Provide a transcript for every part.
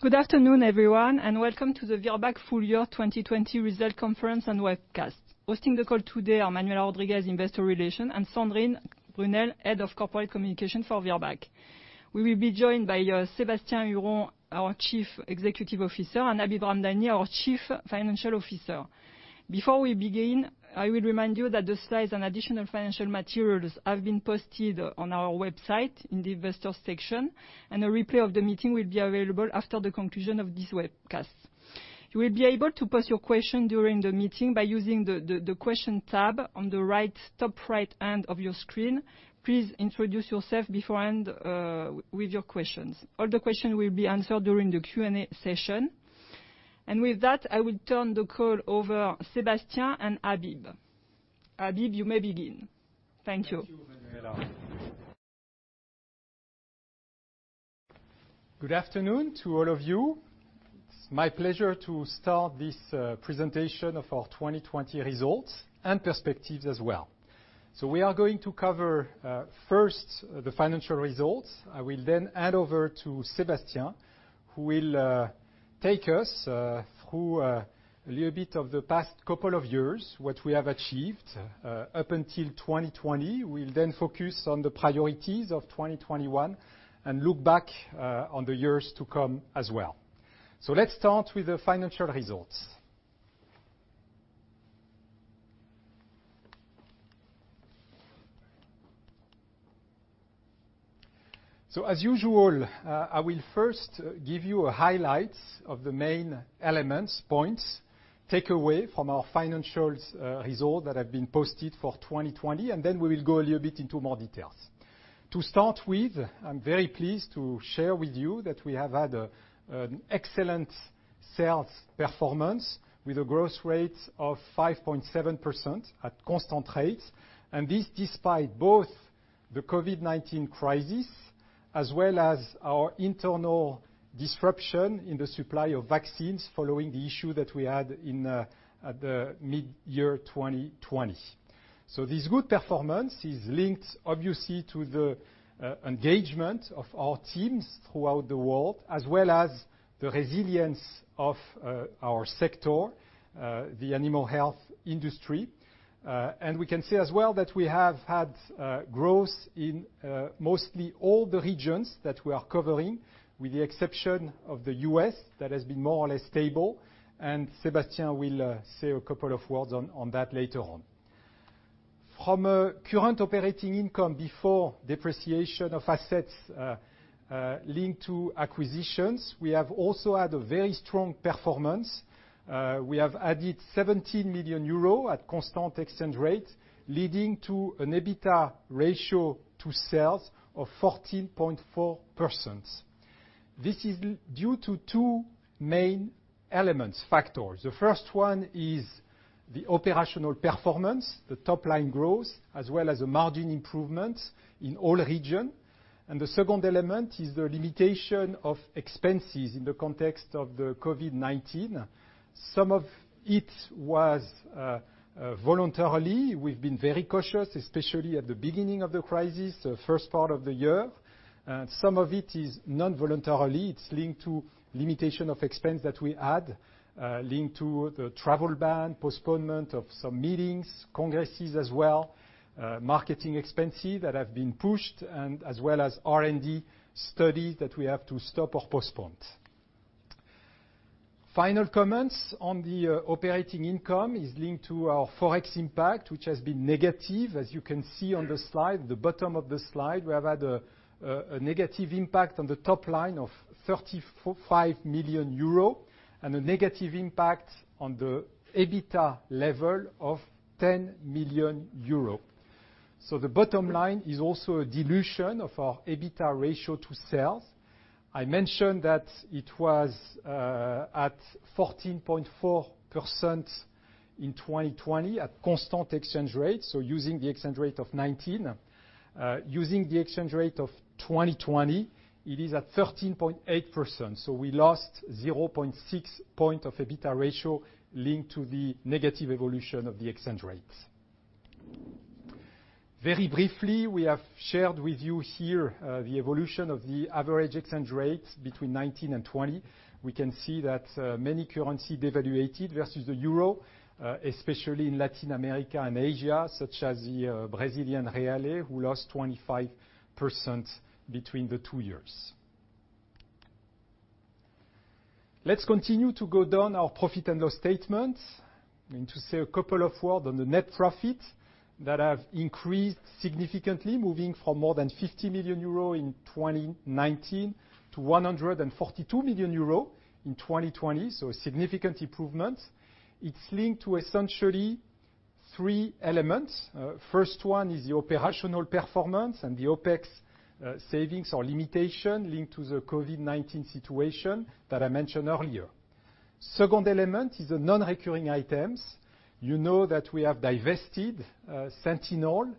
Good afternoon, everyone. Welcome to the Virbac full year 2020 result conference and webcast. Hosting the call today are Manuela Rodriguez, Head of Investor Relations, and Sandrine Brunel, Head of Corporate Communications for Virbac. We will be joined by Sébastien Huron, Chief Executive Officer, and Habib Ramdani, Chief Financial Officer. Before we begin, I will remind you that the slides and additional financial materials have been posted on our website in the investor section, and a replay of the meeting will be available after the conclusion of this webcast. You will be able to pose your question during the meeting by using the question tab on the top right hand of your screen. Please introduce yourself beforehand with your questions. All the question will be answered during the Q&A session. With that, I will turn the call over Sébastien and Habib. Habib, you may begin. Thank you. Thank you, Manuela. Good afternoon to all of you. It's my pleasure to start this presentation of our 2020 results and perspectives as well. We are going to cover first the financial results. I will then hand over to Sébastien, who will take us through a little bit of the past couple of years, what we have achieved up until 2020. We'll then focus on the priorities of 2021 and look back on the years to come as well. Let's start with the financial results. As usual, I will first give you highlights of the main elements, points, takeaway from our financial result that have been posted for 2020, and then we will go a little bit into more details. To start with, I'm very pleased to share with you that we have had an excellent sales performance with a growth rate of 5.7% at constant rates, this, despite both the COVID-19 crisis as well as our internal disruption in the supply of vaccines following the issue that we had at the mid-year 2020. This good performance is linked obviously to the engagement of our teams throughout the world, as well as the resilience of our sector, the animal health industry. We can see as well that we have had growth in mostly all the regions that we are covering, with the exception of the U.S., that has been more or less stable. Sébastien will say a couple of words on that later on. From a current operating income before depreciation of assets linked to acquisitions, we have also had a very strong performance. We have added 17 million euros at constant exchange rate, leading to an EBITDA ratio to sales of 14.4%. This is due to two main elements, factors. The first one is the operational performance, the top-line growth, as well as the margin improvement in all region. The second element is the limitation of expenses in the context of the COVID-19. Some of it was voluntarily. We've been very cautious, especially at the beginning of the crisis, the first part of the year. Some of it is non-voluntarily. It's linked to limitation of expense that we had linked to the travel ban, postponement of some meetings, congresses as well, marketing expenses that have been pushed, and as well as R&D studies that we have to stop or postpone. Final comments on the operating income is linked to our Forex impact, which has been negative. As you can see on the slide, the bottom of the slide, we have had a negative impact on the top line of 35 million euro and a negative impact on the EBITDA level of 10 million euro. The bottom line is also a dilution of our EBITDA ratio to sales. I mentioned that it was at 14.4% in 2020 at constant exchange rate, using the exchange rate of 2019. Using the exchange rate of 2020, it is at 13.8%, we lost 0.6 point of EBITDA ratio linked to the negative evolution of the exchange rates. Very briefly, we have shared with you here the evolution of the average exchange rates between 2019 and 2020. We can see that many currency devaluated versus the EUR, especially in Latin America and Asia, such as the Brazilian real, who lost 25% between the two years. Let's continue to go down our P&L statement and to say a couple of word on the net profit that have increased significantly, moving from more than 50 million euro in 2019 to 142 million euro in 2020. A significant improvement. It's linked to essentially three elements. First one is the operational performance and the OpEx savings or limitation linked to the COVID-19 situation that I mentioned earlier. Second element is the non-recurring items. You know that we have divested SENTINEL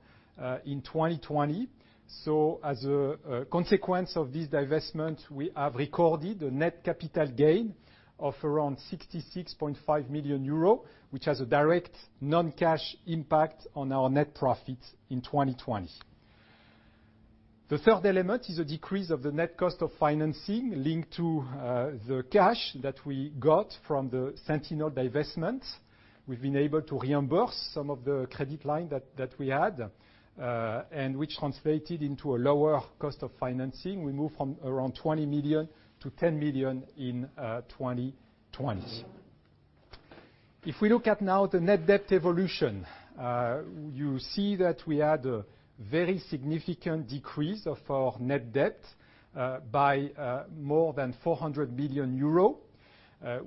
in 2020. As a consequence of this divestment, we have recorded a net capital gain of around 66.5 million euro, which has a direct non-cash impact on our net profit in 2020. The third element is a decrease of the net cost of financing linked to the cash that we got from the SENTINEL divestment. We've been able to reimburse some of the credit line that we had, which translated into a lower cost of financing. We moved from around 20 million to 10 million in 2020. If we look at now the net debt evolution, you see that we had a very significant decrease of our net debt by more than 400 million euro,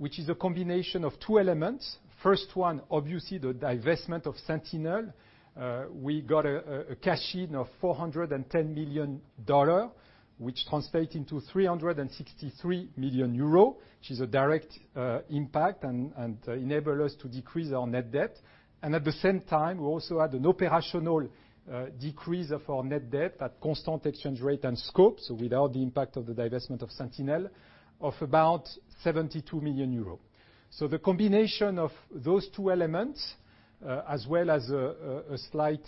which is a combination of two elements. First one, obviously, the divestment of SENTINEL. We got a cash in of $410 million, which translate into 363 million euro, which is a direct impact and enable us to decrease our net debt. At the same time, we also had an operational decrease of our net debt at constant exchange rate and scope, so without the impact of the divestment of SENTINEL, of about 72 million euros. The combination of those two elements, as well as a slight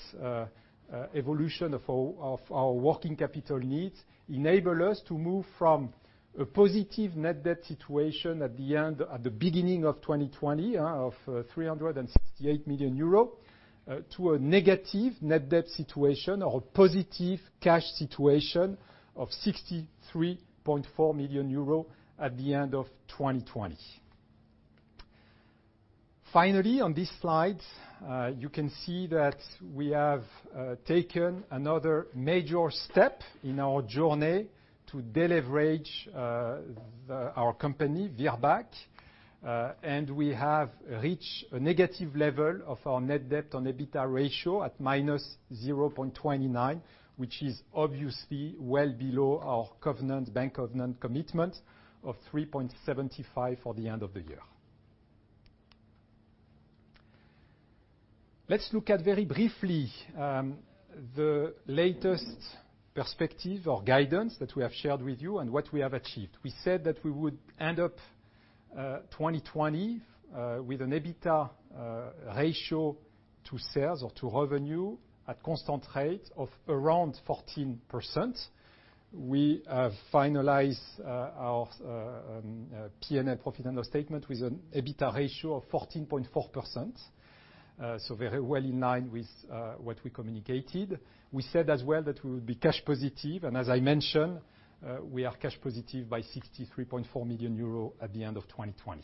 evolution of our working capital needs, enable us to move from a positive net debt situation at the beginning of 2020 of 368 million euro to a negative net debt situation or positive cash situation of 63.4 million euro at the end of 2020. Finally, on this slide, you can see that we have taken another major step in our journey to deleverage our company, Virbac, and we have reached a negative level of our net debt on EBITDA ratio at minus 0.29, which is obviously well below our bank covenant commitment of 3.75 for the end of the year. Let's look at very briefly the latest perspective or guidance that we have shared with you and what we have achieved. We said that we would end up 2020 with an EBITDA ratio to sales or to revenue at constant rate of around 14%. We have finalized our P&L profit and loss statement with an EBITDA ratio of 14.4%, very well in line with what we communicated. We said as well that we would be cash positive, as I mentioned, we are cash positive by 63.4 million euro at the end of 2020.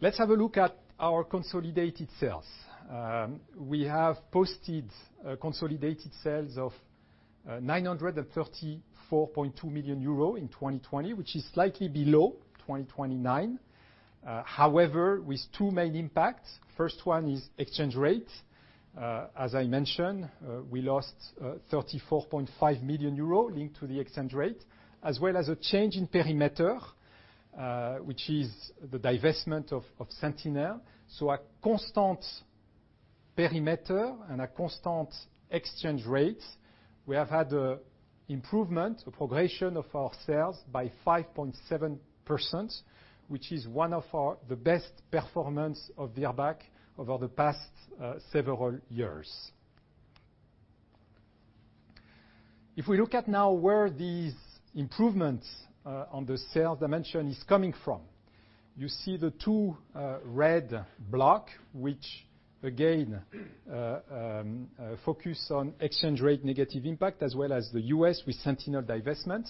Let's have a look at our consolidated sales. We have posted consolidated sales of 934.2 million euro in 2020, which is slightly below 2019. With two main impacts. First one is exchange rate. As I mentioned, we lost 34.5 million euros linked to the exchange rate, as well as a change in perimeter, which is the divestment of SENTINEL. At constant perimeter and at constant exchange rates, we have had improvement, a progression of our sales by 5.7%, which is one of the best performance of Virbac over the past several years. If we look at now where these improvements on the sales dimension is coming from, you see the two red block, which again, focus on exchange rate negative impact as well as the U.S. with SENTINEL divestment.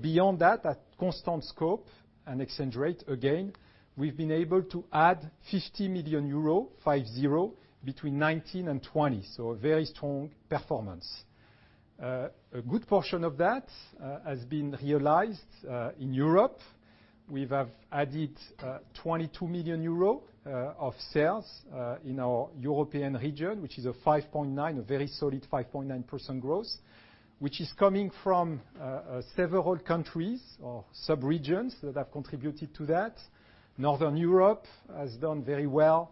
Beyond that, at constant scope and exchange rate, again, we've been able to add 50 million euro, five, zero, between 2019 and 2020, so a very strong performance. A good portion of that has been realized in Europe. We have added 22 million euros of sales in our European region, which is a very solid 5.9% growth, which is coming from several countries or subregions that have contributed to that. Northern Europe has done very well.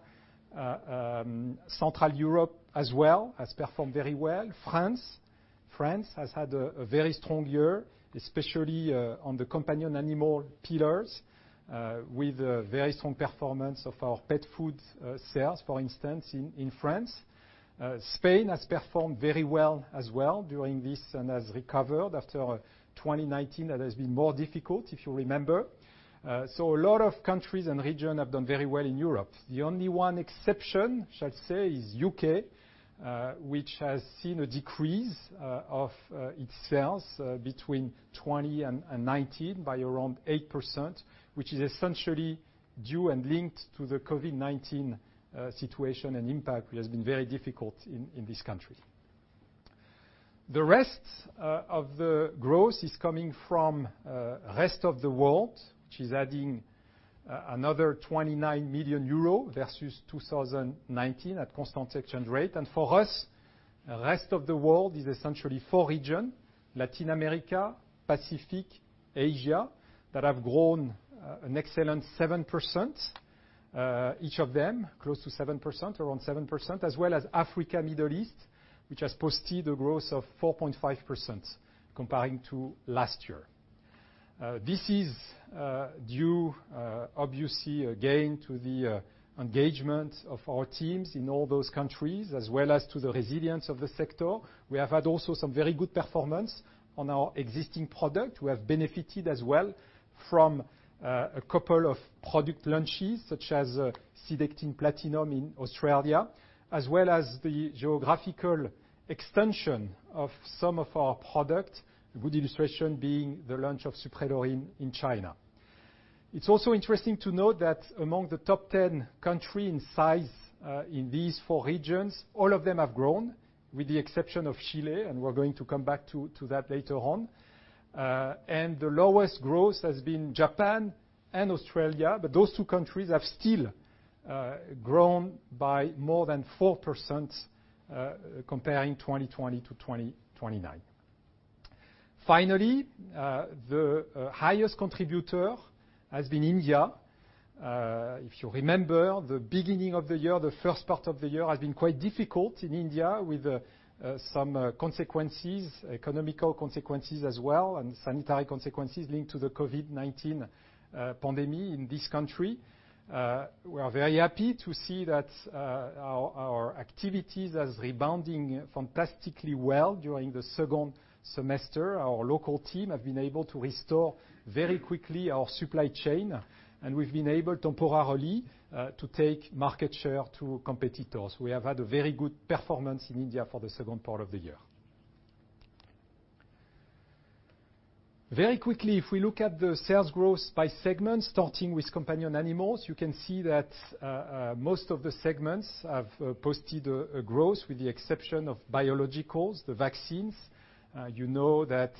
Central Europe as well, has performed very well. France has had a very strong year, especially on the companion animal pillars, with very strong performance of our pet food sales, for instance, in France. Spain has performed very well as well during this and has recovered after 2019 that has been more difficult, if you remember. A lot of countries and region have done very well in Europe. The only one exception, shall I say, is U.K., which has seen a decrease of its sales between 2020 and 2019 by around 8%, which is essentially due and linked to the COVID-19 situation and impact, which has been very difficult in this country. The rest of the growth is coming from rest of the world, which is adding another 29 million euro versus 2019 at constant exchange rate. For us, rest of the world is essentially four region: Latin America, Pacific, Asia, that have grown an excellent 7%, each of them close to 7%, around 7%, as well as Africa, Middle East, which has posted a growth of 4.5% comparing to last year. This is due, obviously, again, to the engagement of our teams in all those countries, as well as to the resilience of the sector. We have had also some very good performance on our existing product. We have benefited as well from a couple of product launches, such as Cydectin Platinum in Australia, as well as the geographical extension of some of our product, a good illustration being the launch of Suprelorin in China. It's also interesting to note that among the top 10 country in size in these four regions, all of them have grown, with the exception of Chile. We're going to come back to that later on. The lowest growth has been Japan and Australia. Those two countries have still grown by more than 4%, comparing 2020 to 2029. Finally, the highest contributor has been India. If you remember, the beginning of the year, the first part of the year has been quite difficult in India, with some consequences, economical consequences as well, and sanitary consequences linked to the COVID-19 pandemic in this country. We are very happy to see that our activities is rebounding fantastically well during the second semester. Our local team have been able to restore very quickly our supply chain. We've been able temporarily to take market share to competitors. We have had a very good performance in India for the second part of the year. Very quickly, if we look at the sales growth by segment, starting with companion animals, you can see that most of the segments have posted a growth with the exception of biologicals, the vaccines. You know that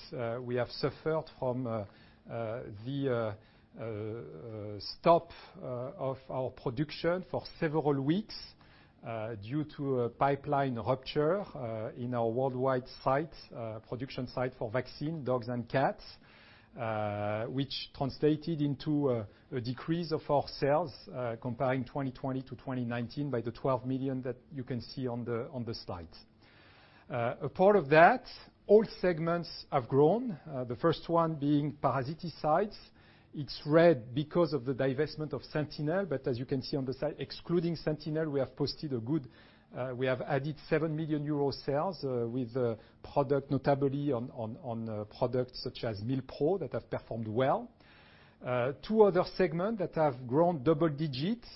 we have suffered from the stop of our production for several weeks due to a pipeline rupture in our worldwide production site for vaccine, dogs and cats, which translated into a decrease of our sales comparing 2020 to 2019 by the 12 million that you can see on the slide. Apart of that, all segments have grown, the first one being parasiticides. It's red because of the divestment of SENTINEL, but as you can see on the slide, excluding SENTINEL, we have added 7 million euro sales with product, notably on products such as Milpro that have performed well. Two other segment that have grown double digits,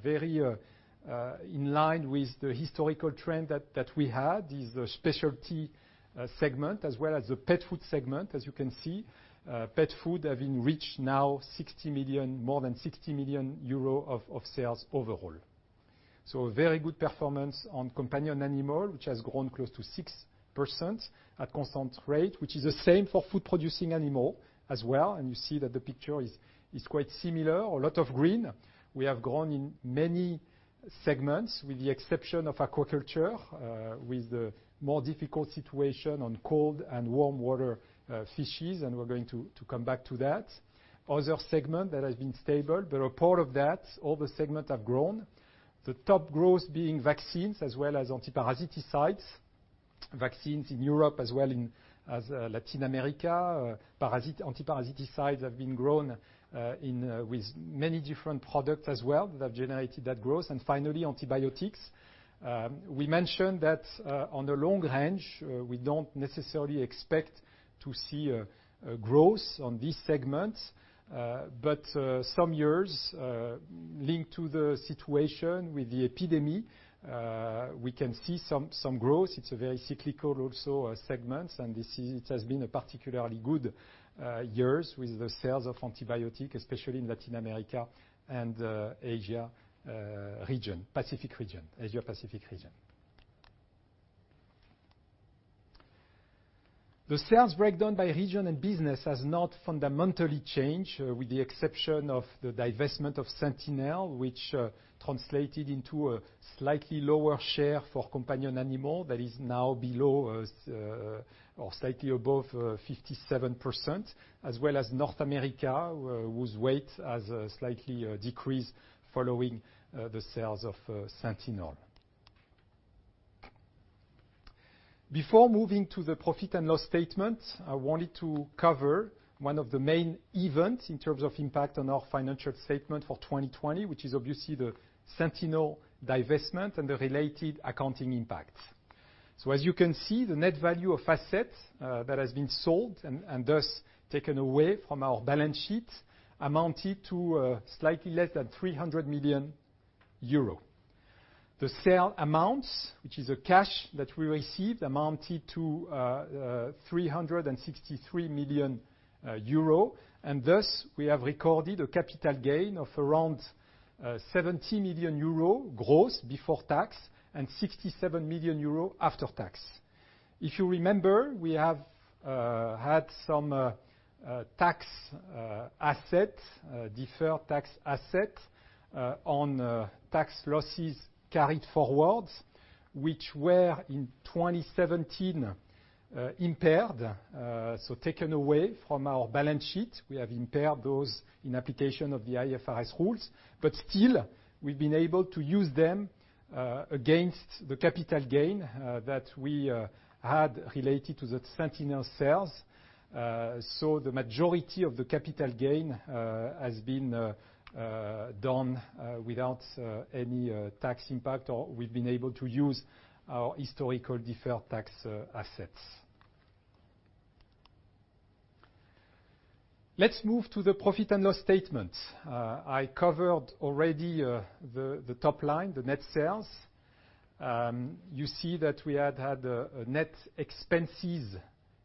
very in line with the historical trend that we had, is the specialty segment as well as the pet food segment. As you can see, pet food have been reached now more than 60 million euro of sales overall. A very good performance on companion animal, which has grown close to 6% at constant rate, which is the same for food-producing animal as well, and you see that the picture is quite similar, a lot of green. We have grown in many segments, with the exception of aquaculture, with the more difficult situation on cold and warm water fishes, and we're going to come back to that. Other segment that has been stable, but apart of that, all the segment have grown. The top growth being vaccines as well as anti-parasiticides. Vaccines in Europe as well in Latin America. Anti-parasiticides have been grown with many different products as well that generated that growth. Finally, antibiotics. We mentioned that on the long range, we don't necessarily expect to see a growth on this segment. Some years, linked to the situation with the epidemic, we can see some growth. It's a very cyclical also segment, and it has been a particularly good years with the sales of antibiotic, especially in Latin America and Asia Pacific region. The sales breakdown by region and business has not fundamentally changed, with the exception of the divestment of SENTINEL, which translated into a slightly lower share for companion animal that is now below or slightly above 57%, as well as North America, whose weight has slightly decreased following the sales of SENTINEL. Before moving to the profit and loss statement, I wanted to cover one of the main events in terms of impact on our financial statement for 2020, which is obviously the SENTINEL divestment and the related accounting impact. As you can see, the net value of assets that has been sold and thus taken away from our balance sheet amounted to slightly less than 300 million euro. The sale amounts, which is a cash that we received, amounted to 363 million euro. Thus, we have recorded a capital gain of around 70 million euro gross before tax and 67 million euro after tax. If you remember, we have had some deferred tax asset on tax losses carried forward, which were in 2017 impaired, so taken away from our balance sheet. We have impaired those in application of the IFRS rules. Still, we've been able to use them against the capital gain that we had related to the SENTINEL sales. The majority of the capital gain has been done without any tax impact, or we've been able to use our historical deferred tax assets. Let's move to the profit and loss statement. I covered already the top line, the net sales. You see that we had had a net expenses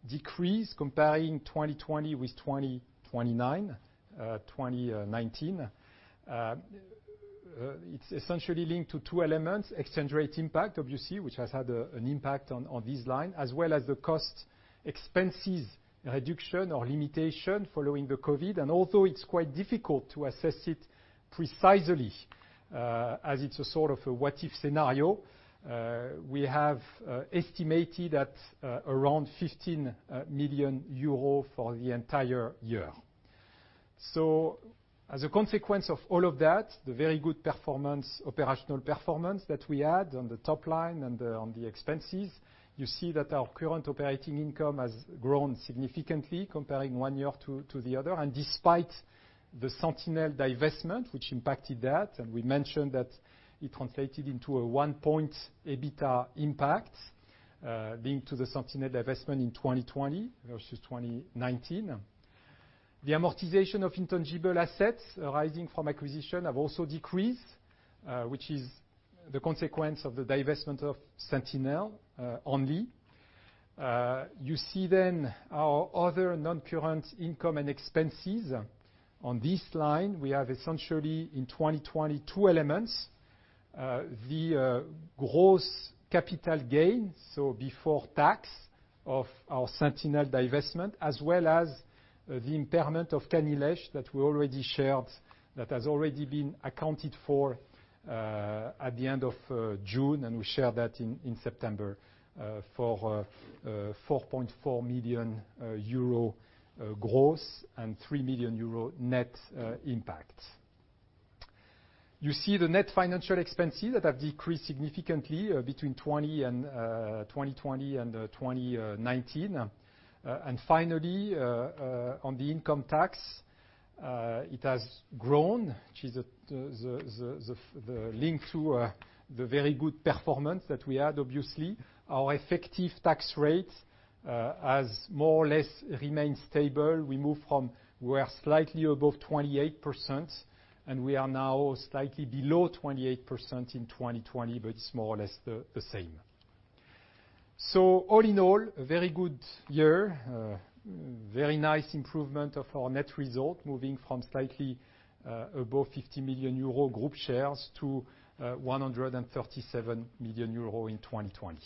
decrease comparing 2020 with 2019. It's essentially linked to two elements, exchange rate impact, obviously, which has had an impact on this line, as well as the cost expenses reduction or limitation following the COVID. Although it's quite difficult to assess it precisely, as it's a sort of a what if scenario, we have estimated at around 15 million euro for the entire year. As a consequence of all of that, the very good operational performance that we had on the top line and on the expenses, you see that our current operating income has grown significantly comparing one year to the other. Despite the SENTINEL divestment, which impacted that, and we mentioned that it translated into a one point EBITDA impact, linked to the SENTINEL divestment in 2020 versus 2019. The amortization of intangible assets arising from acquisition have also decreased, which is the consequence of the divestment of SENTINEL only. You see our other non-current income and expenses on this line. We have essentially in 2020, two elements, the gross capital gain, so before tax, of our SENTINEL divestment, as well as the impairment of CaniLeish that we already shared that has already been accounted for at the end of June. We shared that in September, for 4.4 million euro gross and 3 million euro net impact. You see the net financial expenses that have decreased significantly between 2020 and 2019. Finally, on the income tax, it has grown, which is the link to the very good performance that we had, obviously. Our effective tax rate has more or less remained stable. We are slightly above 28%, and we are now slightly below 28% in 2020, but it's more or less the same. All in all, a very good year. Very nice improvement of our net result, moving from slightly above 50 million euro group shares to 137 million euro in 2020.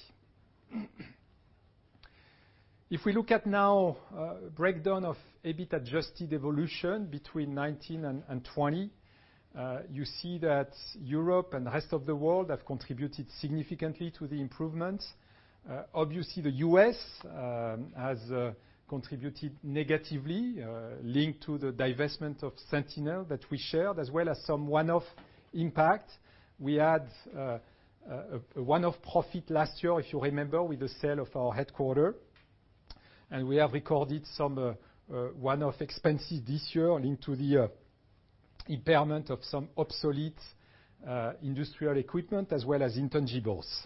If we look at now, breakdown of EBIT adjusted evolution between 2019 and 2020, you see that Europe and the rest of the world have contributed significantly to the improvements. Obviously, the U.S. has contributed negatively, linked to the divestment of SENTINEL that we shared, as well as some one-off impact. We had a one-off profit last year, if you remember, with the sale of our headquarter. We have recorded some one-off expenses this year linked to the impairment of some obsolete industrial equipment as well as intangibles.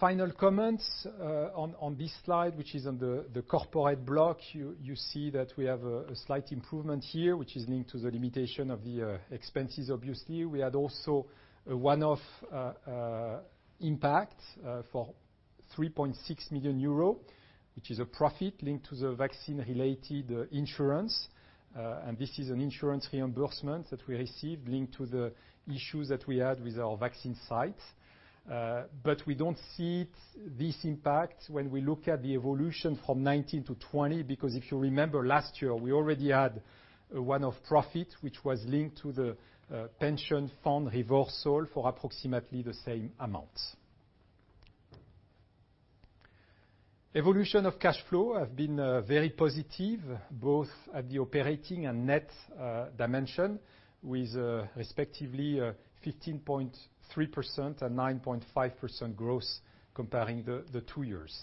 Final comments on this slide, which is on the corporate block. You see that we have a slight improvement here, which is linked to the limitation of the expenses, obviously. We had also a one-off impact for 3.6 million euro, which is a profit linked to the vaccine-related insurance. This is an insurance reimbursement that we received linked to the issues that we had with our vaccine sites. We don't see this impact when we look at the evolution from 2019 to 2020, because if you remember last year, we already had a one-off profit, which was linked to the pension fund reversal for approximately the same amount. Evolution of cash flow has been very positive, both at the operating and net dimension, with respectively 15.3% and 9.5% growth comparing the two years.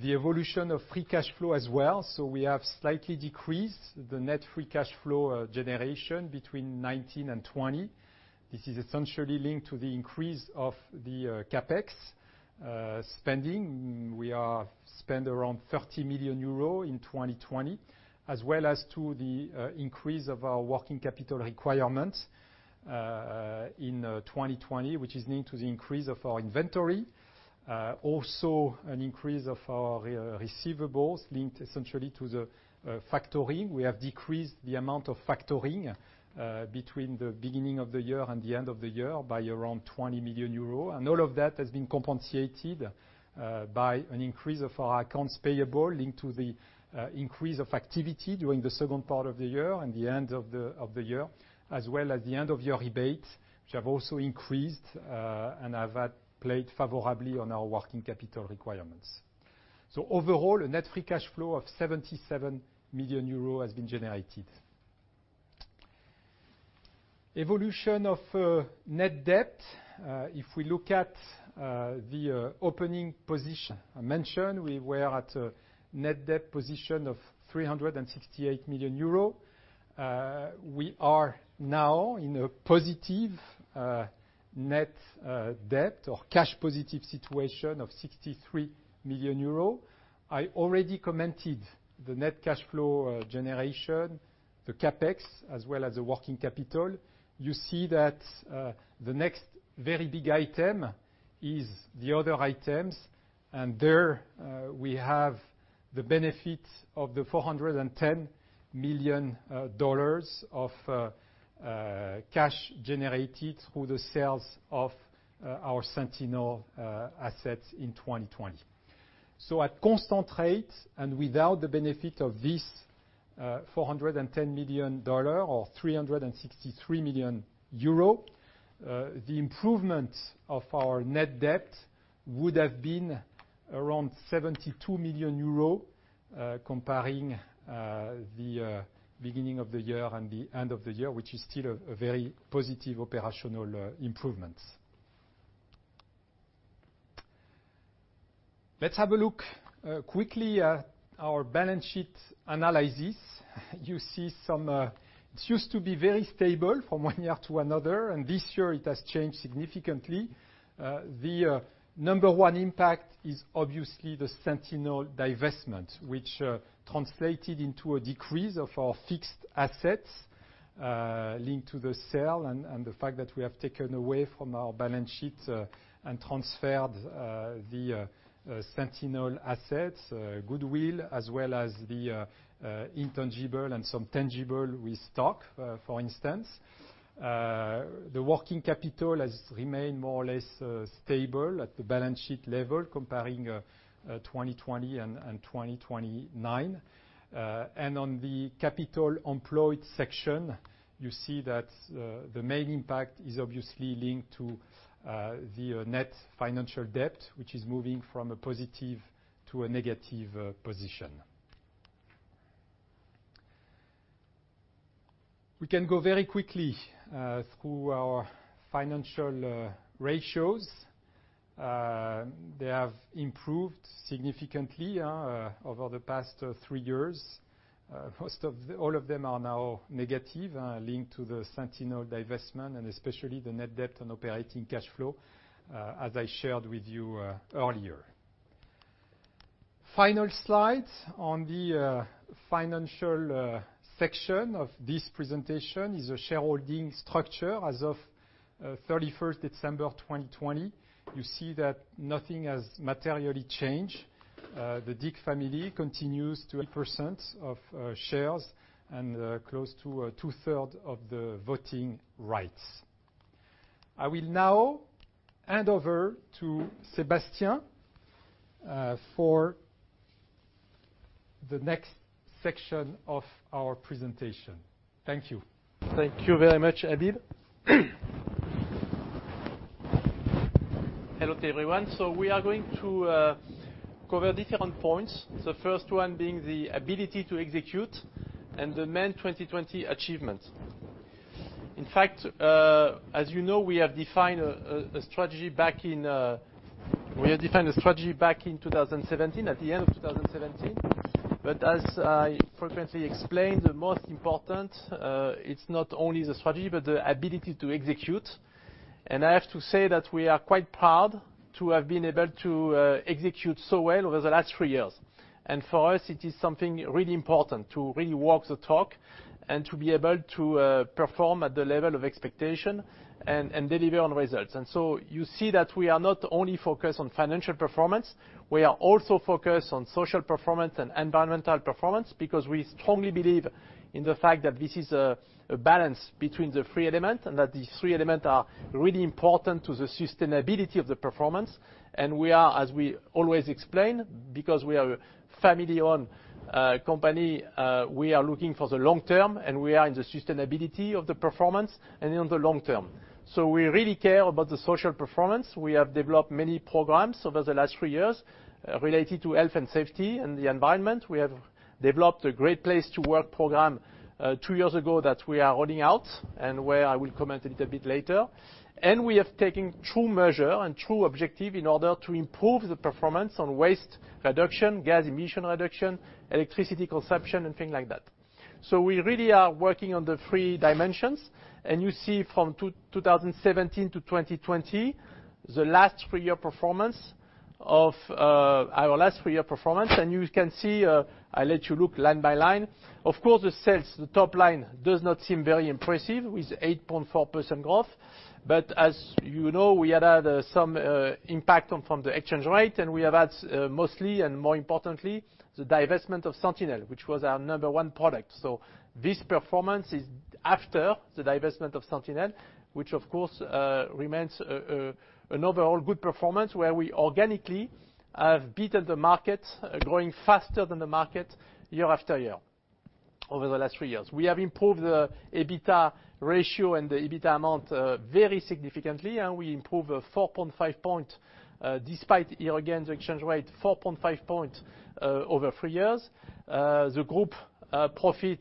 The evolution of free cash flow as well, we have slightly decreased the net free cash flow generation between 2019 and 2020. This is essentially linked to the increase of the CapEx spending. We spent around 30 million euro in 2020, as well as to the increase of our working capital requirements in 2020, which is linked to the increase of our inventory. Also an increase of our receivables linked essentially to the factoring. We have decreased the amount of factoring between the beginning of the year and the end of the year by around 20 million euros. All of that has been compensated by an increase of our accounts payable linked to the increase of activity during the second part of the year and the end of the year, as well as the end of year rebates, which have also increased, and have played favorably on our working capital requirements. Overall, a net free cash flow of 77 million euros has been generated. Evolution of net debt. If we look at the opening position, I mentioned we were at a net debt position of 368 million euro. We are now in a positive net debt or cash positive situation of 63 million euros. I already commented the net cash flow generation, the CapEx, as well as the working capital. You see that the next very big item is the other items. There we have the benefit of the $410 million of cash generated through the sales of our SENTINEL assets in 2020. At constant rates, without the benefit of this $410 million or 363 million euro, the improvement of our net debt would have been around 72 million euro, comparing the beginning of the year and the end of the year, which is still a very positive operational improvement. Let's have a look quickly at our balance sheet analysis. It used to be very stable from one year to another. This year it has changed significantly. The number 1 impact is obviously the SENTINEL divestment, which translated into a decrease of our fixed assets linked to the sale and the fact that we have taken away from our balance sheet and transferred the SENTINEL assets goodwill, as well as the intangible and some tangible with stock, for instance. The working capital has remained more or less stable at the balance sheet level comparing 2020 and 2029. On the capital employed section, you see that the main impact is obviously linked to the net financial debt, which is moving from a positive to a negative position. We can go very quickly through our financial ratios. They have improved significantly over the past three years. All of them are now negative, linked to the SENTINEL divestment and especially the net debt and operating cash flow, as I shared with you earlier. Final slide on the financial section of this presentation is a shareholding structure as of 31st December 2020. You see that nothing has materially changed. The Dick family continues to own 8% of shares and close to two-third of the voting rights. I will now hand over to Sébastien for the next section of our presentation. Thank you. Thank you very much, Habib. Hello, everyone. We are going to cover different points, the first one being the ability to execute and the main 2020 achievements. In fact, as you know, we have defined a strategy back in 2017, at the end of 2017. As I frequently explain, the most important, it's not only the strategy but the ability to execute. I have to say that we are quite proud to have been able to execute so well over the last three years. For us, it is something really important to really walk the talk and to be able to perform at the level of expectation and deliver on results. You see that we are not only focused on financial performance, we are also focused on social performance and environmental performance because we strongly believe in the fact that this is a balance between the three elements, and that these three elements are really important to the sustainability of the performance. We are, as we always explain, because we are a family-owned company, we are looking for the long term, and we are in the sustainability of the performance and in the long term. We really care about the social performance. We have developed many programs over the last three years related to health and safety and the environment. We have developed a Great Place to Work program two years ago that we are rolling out, and where I will comment a little bit later. We have taken true measure and true objective in order to improve the performance on waste reduction, gas emission reduction, electricity consumption, and things like that. We really are working on the three dimensions. You see from 2017 to 2020, our last three year performance. You can see, I let you look line by line. Of course, the sales, the top line does not seem very impressive with 8.4% growth. As you know, we had some impact from the exchange rate, and we have had mostly and more importantly, the divestment of SENTINEL, which was our number one product. This performance is after the divestment of SENTINEL, which of course, remains an overall good performance where we organically have beaten the market, growing faster than the market year after year over the last three years. We have improved the EBITDA ratio and the EBITDA amount very significantly. We improved 4.5 point, despite here again, the exchange rate, 4.5 point over three years. The group profit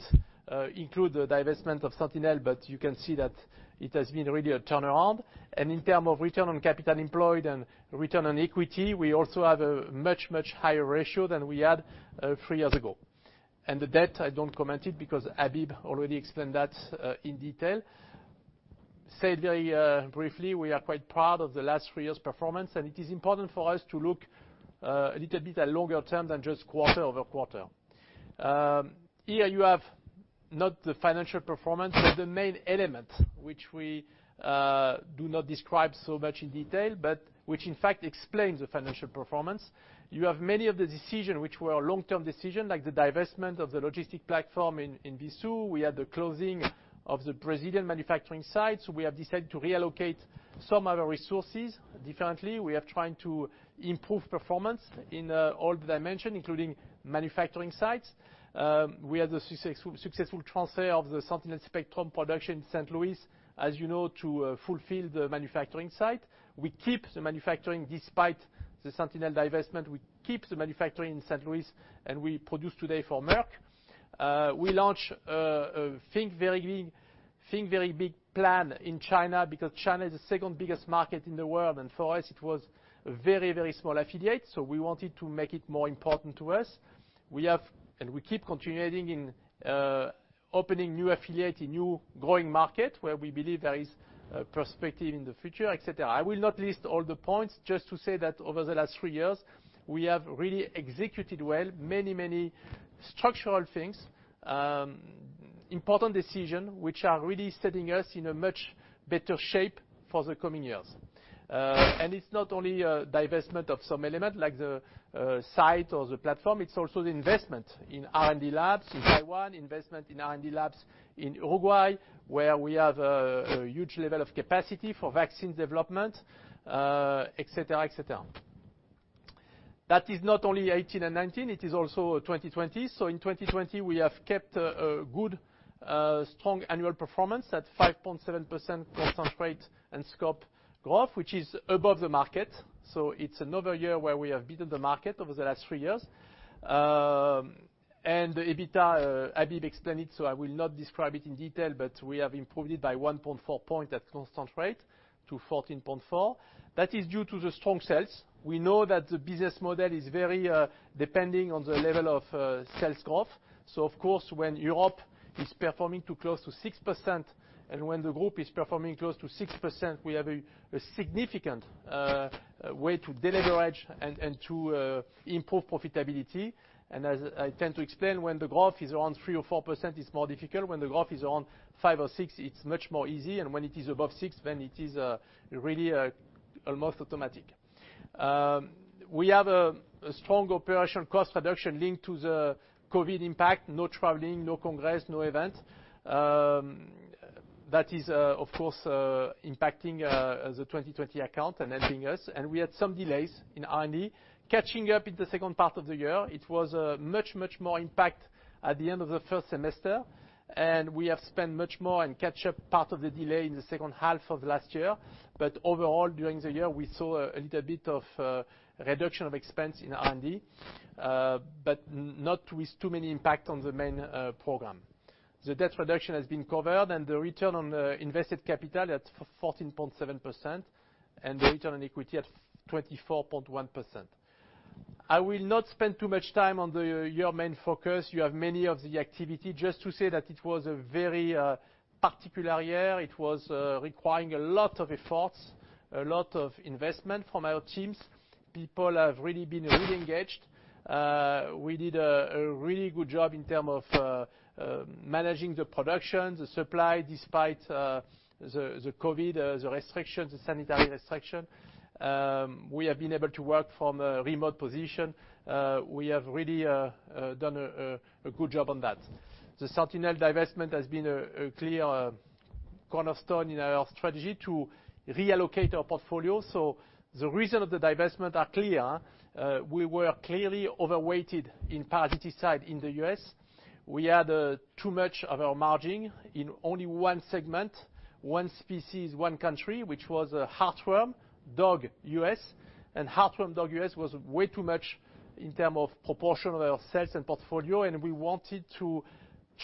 include the divestment of SENTINEL. You can see that it has been really a turnaround. In term of return on capital employed and return on equity, we also have a much, much higher ratio than we had three years ago. The debt, I don't comment it because Habib already explained that in detail. Say very briefly, we are quite proud of the last three years' performance. It is important for us to look a little bit at longer term than just quarter-over-quarter. Here you have not the financial performance, but the main element, which we do not describe so much in detail, but which in fact explains the financial performance. You have many of the decision which were long-term decision, like the divestment of the logistic platform in Wissous. We had the closing of the Brazilian manufacturing sites. We have decided to reallocate some of our resources differently. We are trying to improve performance in all the dimension, including manufacturing sites. We had the successful transfer of the SENTINEL SPECTRUM production in St. Louis, as you know, to fulfill the manufacturing site. We keep the manufacturing despite the SENTINEL divestment. We keep the manufacturing in St. Louis, and we produce today for Merck. We launch a think very big plan in China because China is the second biggest market in the world, and for us it was a very small affiliate, so we wanted to make it more important to us. We have, we keep continuing in opening new affiliate in new growing market where we believe there is perspective in the future, et cetera. I will not list all the points just to say that over the last three years, we have really executed well many structural things, important decision, which are really setting us in a much better shape for the coming years. It's not only divestment of some element like the site or the platform, it's also the investment in R&D labs in Taiwan, investment in R&D labs in Uruguay, where we have a huge level of capacity for vaccine development, et cetera. That is not only 2018 and 2019, it is also 2020. In 2020, we have kept a good, strong annual performance at 5.7% constant rate and scope growth, which is above the market. It's another year where we have beaten the market over the last three years. The EBITDA, Habib explained it, so I will not describe it in detail, but we have improved it by 1.4 point at constant rate to 14.4%. That is due to the strong sales. We know that the business model is very depending on the level of sales growth. Of course, when Europe is performing to close to 6% and when the group is performing close to 6%, we have a significant way to deleverage and to improve profitability. As I tend to explain, when the growth is around 3% or 4%, it's more difficult. When the growth is around 5% or 6%, it's much more easy. When it is above 6%, then it is really almost automatic. We have a strong operation cost reduction linked to the COVID impact. No traveling, no congress, no event. That is, of course, impacting the 2020 account and helping us. We had some delays in R&D, catching up in the second part of the year. It was a much more impact at the end of the first semester, and we have spent much more and catch up part of the delay in the second half of last year. Overall, during the year, we saw a little bit of reduction of expense in R&D, but not with too many impact on the main program. The debt reduction has been covered and the return on invested capital at 14.7% and the return on equity at 24.1%. I will not spend too much time on the year main focus. You have many of the activity just to say that it was a very particular year. It was requiring a lot of efforts, a lot of investment from our teams. People have really been re-engaged. We did a really good job in term of managing the production, the supply, despite the COVID, the restrictions, the sanitary restriction. We have been able to work from a remote position. We have really done a good job on that. The SENTINEL divestment has been a clear cornerstone in our strategy to reallocate our portfolio. The reason of the divestment are clear. We were clearly overweighted in parasiticide in the U.S. We had too much of our margin in only one segment, one species, one country, which was heartworm dog, U.S., and heartworm dog, U.S., was way too much in terms of proportion of our sales and portfolio. We wanted to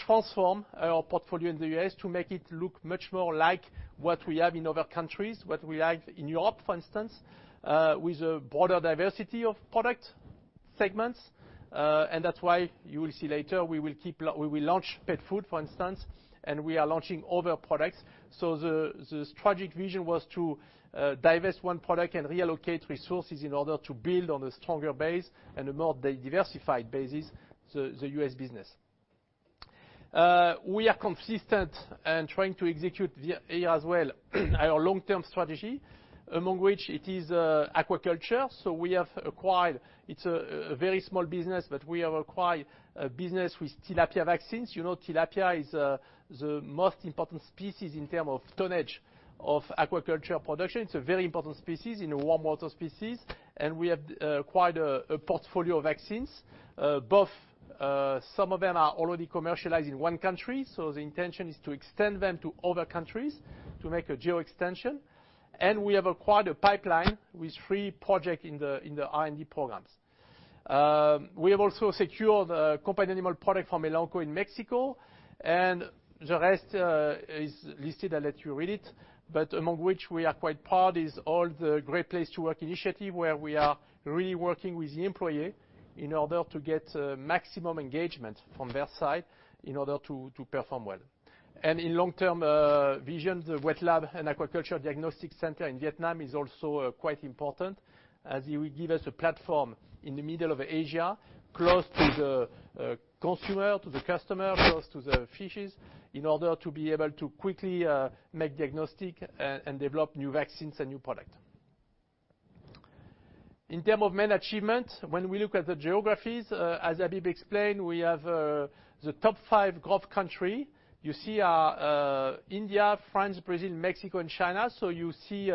transform our portfolio in the U.S. to make it look much more like what we have in other countries, what we have in Europe, for instance, with a broader diversity of product segments. That's why you will see later, we will launch pet food, for instance, and we are launching other products. The strategic vision was to divest one product and reallocate resources in order to build on a stronger base and a more diversified basis the U.S. business. We are consistent and trying to execute here as well our long-term strategy, among which it is aquaculture. We have acquired, it's a very small business, but we have acquired a business with tilapia vaccines. Tilapia is the most important species in terms of tonnage of aquaculture production. It's a very important species in a warm-water species. We have acquired a portfolio of vaccines, both. Some of them are already commercialized in one country. The intention is to extend them to other countries to make a geo extension. We have acquired a pipeline with 3 projects in the R&D programs. We have also secured a companion animal product from Elanco in Mexico. The rest is listed. I'll let you read it. Among which we are quite proud is all the Great Place to Work initiative, where we are really working with the employee in order to get maximum engagement from their side in order to perform well. In long-term vision, the wet lab and aquaculture diagnostic center in Vietnam is also quite important as it will give us a platform in the middle of Asia, close to the consumer, to the customer, close to the fishes, in order to be able to quickly make diagnostics and develop new vaccines and new products. In terms of main achievements, when we look at the geographies, as Habib explained, we have the top five growth countries. You see are India, France, Brazil, Mexico, and China. You see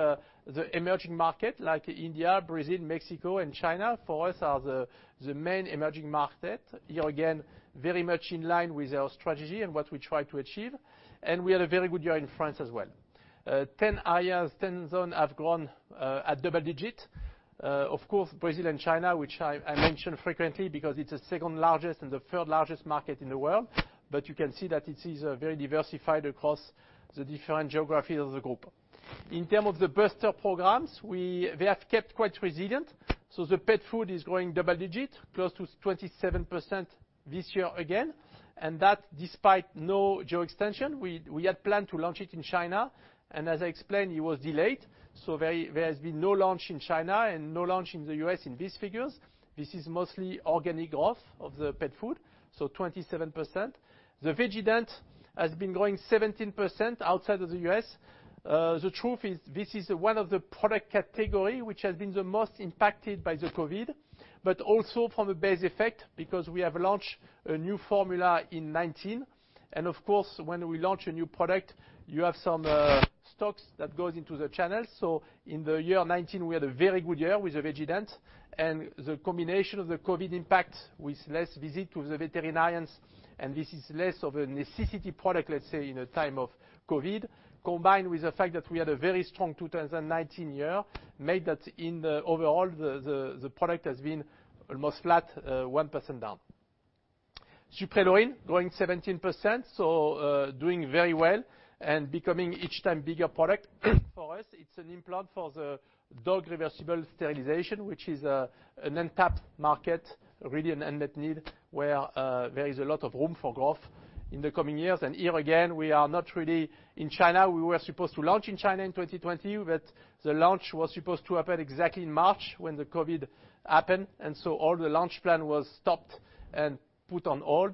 the emerging market like India, Brazil, Mexico, and China, for us, are the main emerging market. Here again, very much in line with our strategy and what we try to achieve. We had a very good year in France as well. 10 areas, 10 zones have grown at double digits. Of course, Brazil and China, which I mention frequently because it’s the second-largest and the third-largest market in the world, but you can see that it is very diversified across the different geographies of the group. In terms of the booster programs, they have kept quite resilient. The pet food is growing double digits, close to 27% this year again. That despite no geo extension, we had planned to launch it in China. As I explained, it was delayed. There has been no launch in China and no launch in the U.S. in these figures. This is mostly organic growth of the pet food, so 27%. The VEGGIEDENT has been growing 17% outside of the U.S. The truth is this is one of the product categories which has been the most impacted by the COVID, but also from a base effect because we have launched a new formula in 2019. Of course, when we launch a new product, you have some stocks that go into the channel. In the year 2019, we had a very good year with the VEGGIEDENT, and the combination of the COVID impact with less visits to the veterinarians, and this is less of a necessity product, let's say, in a time of COVID, combined with the fact that we had a very strong 2019 year, made that overall the product has been almost flat, 1% down. Suprelorin growing 17%, so doing very well and becoming each time a bigger product for us. It's an implant for the dog reversible sterilization, which is an untapped market, really an unmet need where there is a lot of room for growth in the coming years. Here again, we are not really in China. We were supposed to launch in China in 2020, but the launch was supposed to happen exactly in March when the COVID-19 happened, all the launch plan was stopped and put on hold.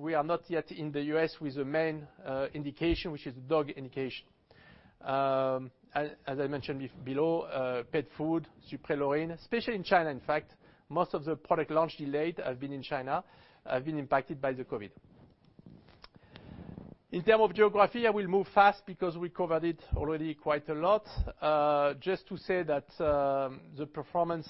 We are not yet in the U.S. with the main indication, which is dog indication. As I mentioned below, pet food, Suprelorin, especially in China, in fact, most of the product launch delayed have been in China, have been impacted by the COVID-19. In terms of geography, I will move fast because we covered it already quite a lot. Just to say that the performance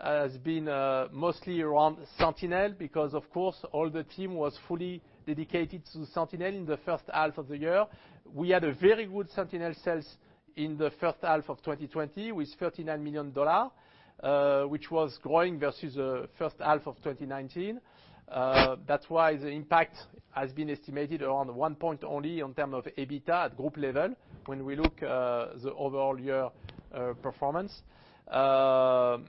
has been mostly around Sentinel, because of course, all the team was fully dedicated to Sentinel in the first half of the year. We had a very good Sentinel sales in the first half of 2020 with EUR 39 million, which was growing versus the first half of 2019. That's why the impact has been estimated around one point only in terms of EBITDA at group level when we look at the overall year performance. A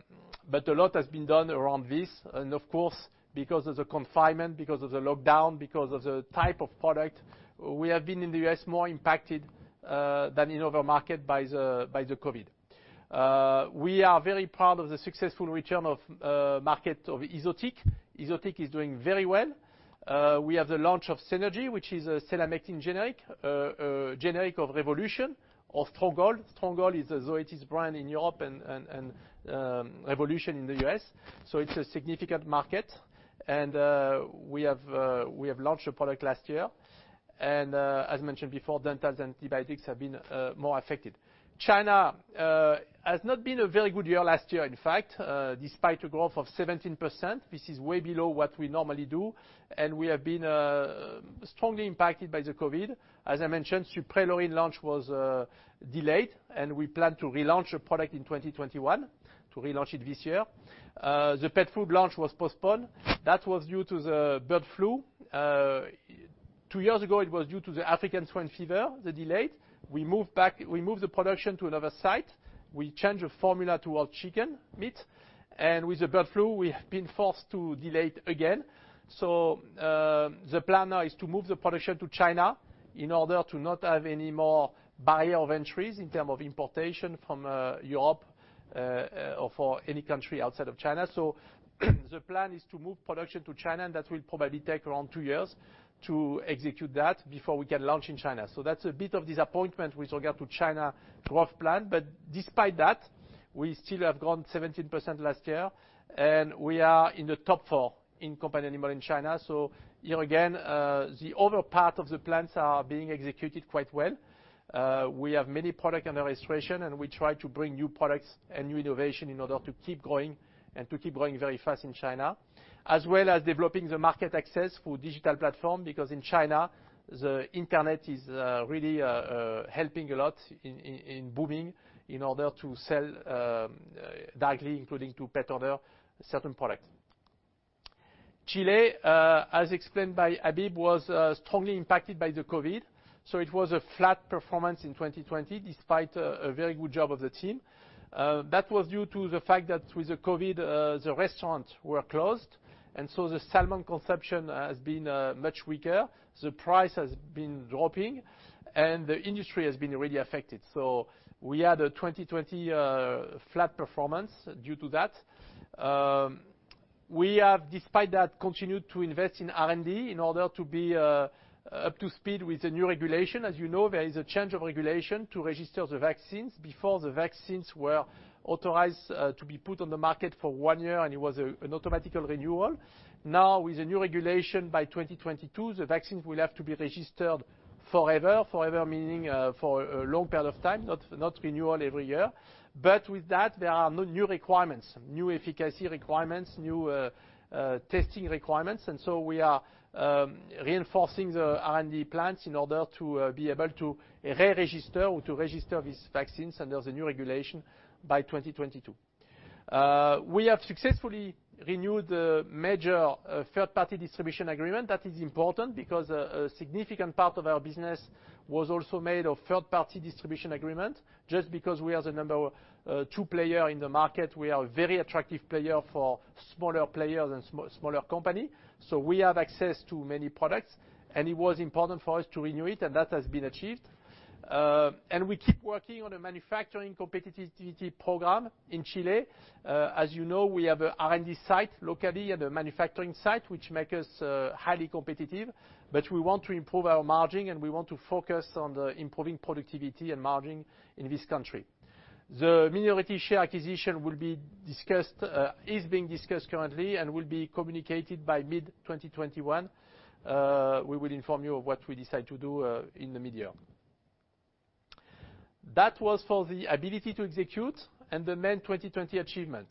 lot has been done around this, of course, because of the confinement, because of the lockdown, because of the type of product, we have been, in the U.S., more impacted than in other markets by the COVID. We are very proud of the successful return of market of Epi-Otics. Epi-Otics is doing very well. We have the launch of SENERGY, which is a selamectin generic, a generic of Revolution of Stronghold. Stronghold is the Zoetis brand in Europe, and Revolution in the U.S. It's a significant market, and we have launched a product last year. As mentioned before, dentals, antibiotics have been more affected. China has not been a very good year last year, in fact. Despite a growth of 17%, this is way below what we normally do, and we have been strongly impacted by the COVID-19. As I mentioned, Suprelorin launch was delayed, and we plan to relaunch a product in 2021 to relaunch it this year. The pet food launch was postponed. That was due to the bird flu. Two years ago, it was due to the African swine fever, the delay. We moved the production to another site. We changed the formula toward chicken meat. With the bird flu, we have been forced to delay it again. The plan now is to move the production to China in order to not have any more barrier of entries in terms of importation from Europe or for any country outside of China. The plan is to move production to China, and that will probably take around two years to execute that before we can launch in China. That's a bit of disappointment with regard to China growth plan, but despite that, we still have grown 17% last year, and we are in the top four in companion animal in China. Here again, the other parts of the plans are being executed quite well. We have many products under registration, and we try to bring new products and new innovation in order to keep growing and to keep growing very fast in China, as well as developing the market access for digital platform because in China, the internet is really helping a lot in booming in order to sell directly, including to pet owners, certain products. Chile, as explained by Habib, was strongly impacted by the COVID, it was a flat performance in 2020, despite a very good job of the team. That was due to the fact that with the COVID, the restaurants were closed, the salmon consumption has been much weaker. The price has been dropping, the industry has been really affected. We had a 2020 flat performance due to that. We have, despite that, continued to invest in R&D in order to be up to speed with the new regulation. As you know, there is a change of regulation to register the vaccines. Before, the vaccines were authorized to be put on the market for one year. It was an automatic renewal. Now, with the new regulation by 2022, the vaccines will have to be registered forever. Forever meaning for a long period of time, not renewal every year. With that, there are new requirements, new efficacy requirements, new testing requirements. We are reinforcing the R&D plans in order to be able to re-register or to register these vaccines under the new regulation by 2022. We have successfully renewed the major third-party distribution agreement. That is important because a significant part of our business was also made of third-party distribution agreement, just because we are the number 2 player in the market, we are a very attractive player for smaller players and smaller company. We have access to many products, and it was important for us to renew it, and that has been achieved. We keep working on a manufacturing competitiveness program in Chile. As you know, we have an R&D site locally and a manufacturing site, which make us highly competitive, but we want to improve our margin, and we want to focus on the improving productivity and margin in this country. The minority share acquisition is being discussed currently and will be communicated by mid-2021. We will inform you of what we decide to do in the medium. That was for the ability to execute and the main 2020 achievement.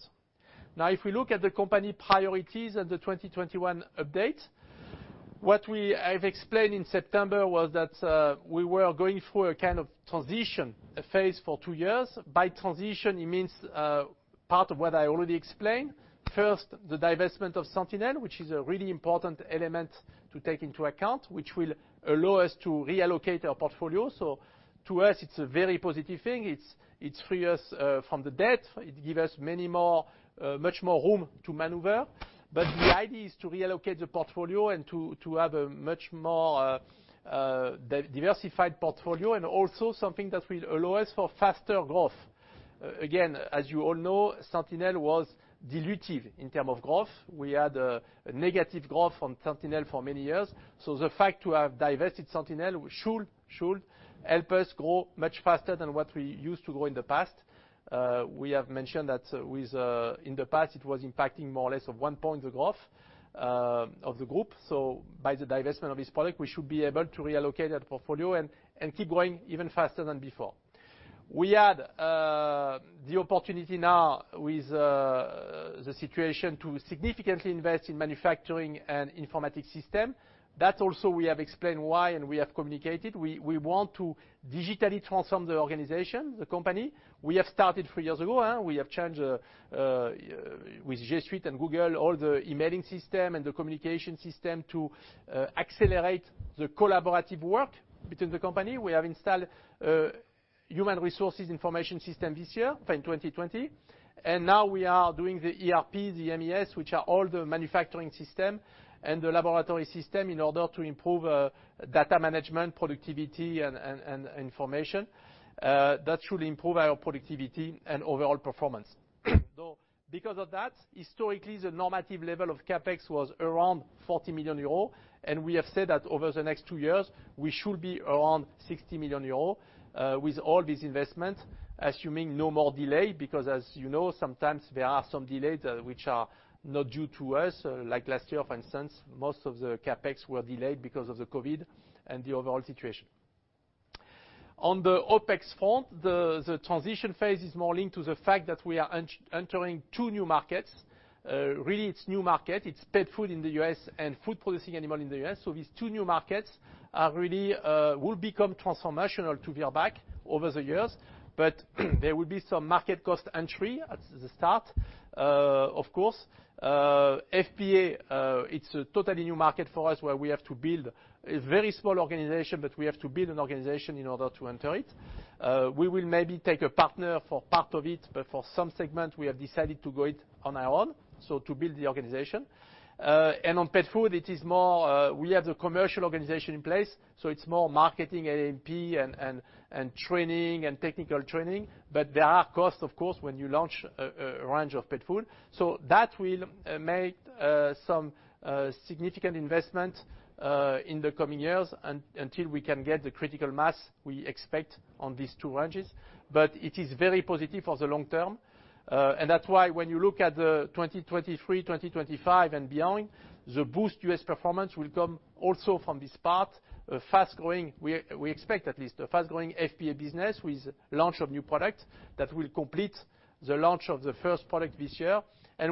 If we look at the company priorities and the 2021 update, what I've explained in September was that we were going through a kind of transition phase for two years. By transition, it means part of what I already explained. First, the divestment of SENTINEL, which is a really important element to take into account, which will allow us to reallocate our portfolio. To us, it's a very positive thing. It free us from the debt, it give us much more room to maneuver. The idea is to reallocate the portfolio and to have a much more diversified portfolio and also something that will allow us for faster growth. Again, as you all know, SENTINEL was dilutive in term of growth. We had a negative growth from SENTINEL for many years. The fact to have divested SENTINEL should help us grow much faster than what we used to grow in the past. We have mentioned that in the past, it was impacting more or less of one point the growth of the group. By the divestment of this product, we should be able to reallocate that portfolio and keep growing even faster than before. We had the opportunity now with the situation to significantly invest in manufacturing an informatic system. That also we have explained why and we have communicated. We want to digitally transform the organization, the company. We have started three years ago. We have changed, with G Suite and Google, all the emailing system and the communication system to accelerate the collaborative work between the company. We have installed human resources information system this year, in 2020. Now we are doing the ERP, the MES, which are all the manufacturing system and the laboratory system in order to improve data management, productivity, and information. That should improve our productivity and overall performance. Because of that, historically, the normative level of CapEx was around 40 million euros, and we have said that over the next 2 years, we should be around 60 million euros with all these investments, assuming no more delay, because as you know, sometimes there are some delays which are not due to us. Like last year, for instance, most of the CapEx were delayed because of the COVID and the overall situation. On the OpEx front, the transition phase is more linked to the fact that we are entering 2 new markets. Really, it's new market. It's pet food in the U.S. and food-producing animal in the U.S. These two new markets will become transformational to Virbac over the years. There will be some market cost entry at the start, of course. FPA, it's a totally new market for us where we have to build a very small organization, we have to build an organization in order to enter it. We will maybe take a partner for part of it, for some segment, we have decided to go it on our own, to build the organization. On pet food, we have the commercial organization in place, it's more marketing, A&P, and training and technical training. There are costs, of course, when you launch a range of pet food. That will make some significant investment in the coming years until we can get the critical mass we expect on these two ranges. It is very positive for the long term. That is why when you look at 2023, 2025, and beyond, the boost U.S. performance will come also from this part. We expect at least a fast-growing FPA business with launch of new product that will complete the launch of the first product this year.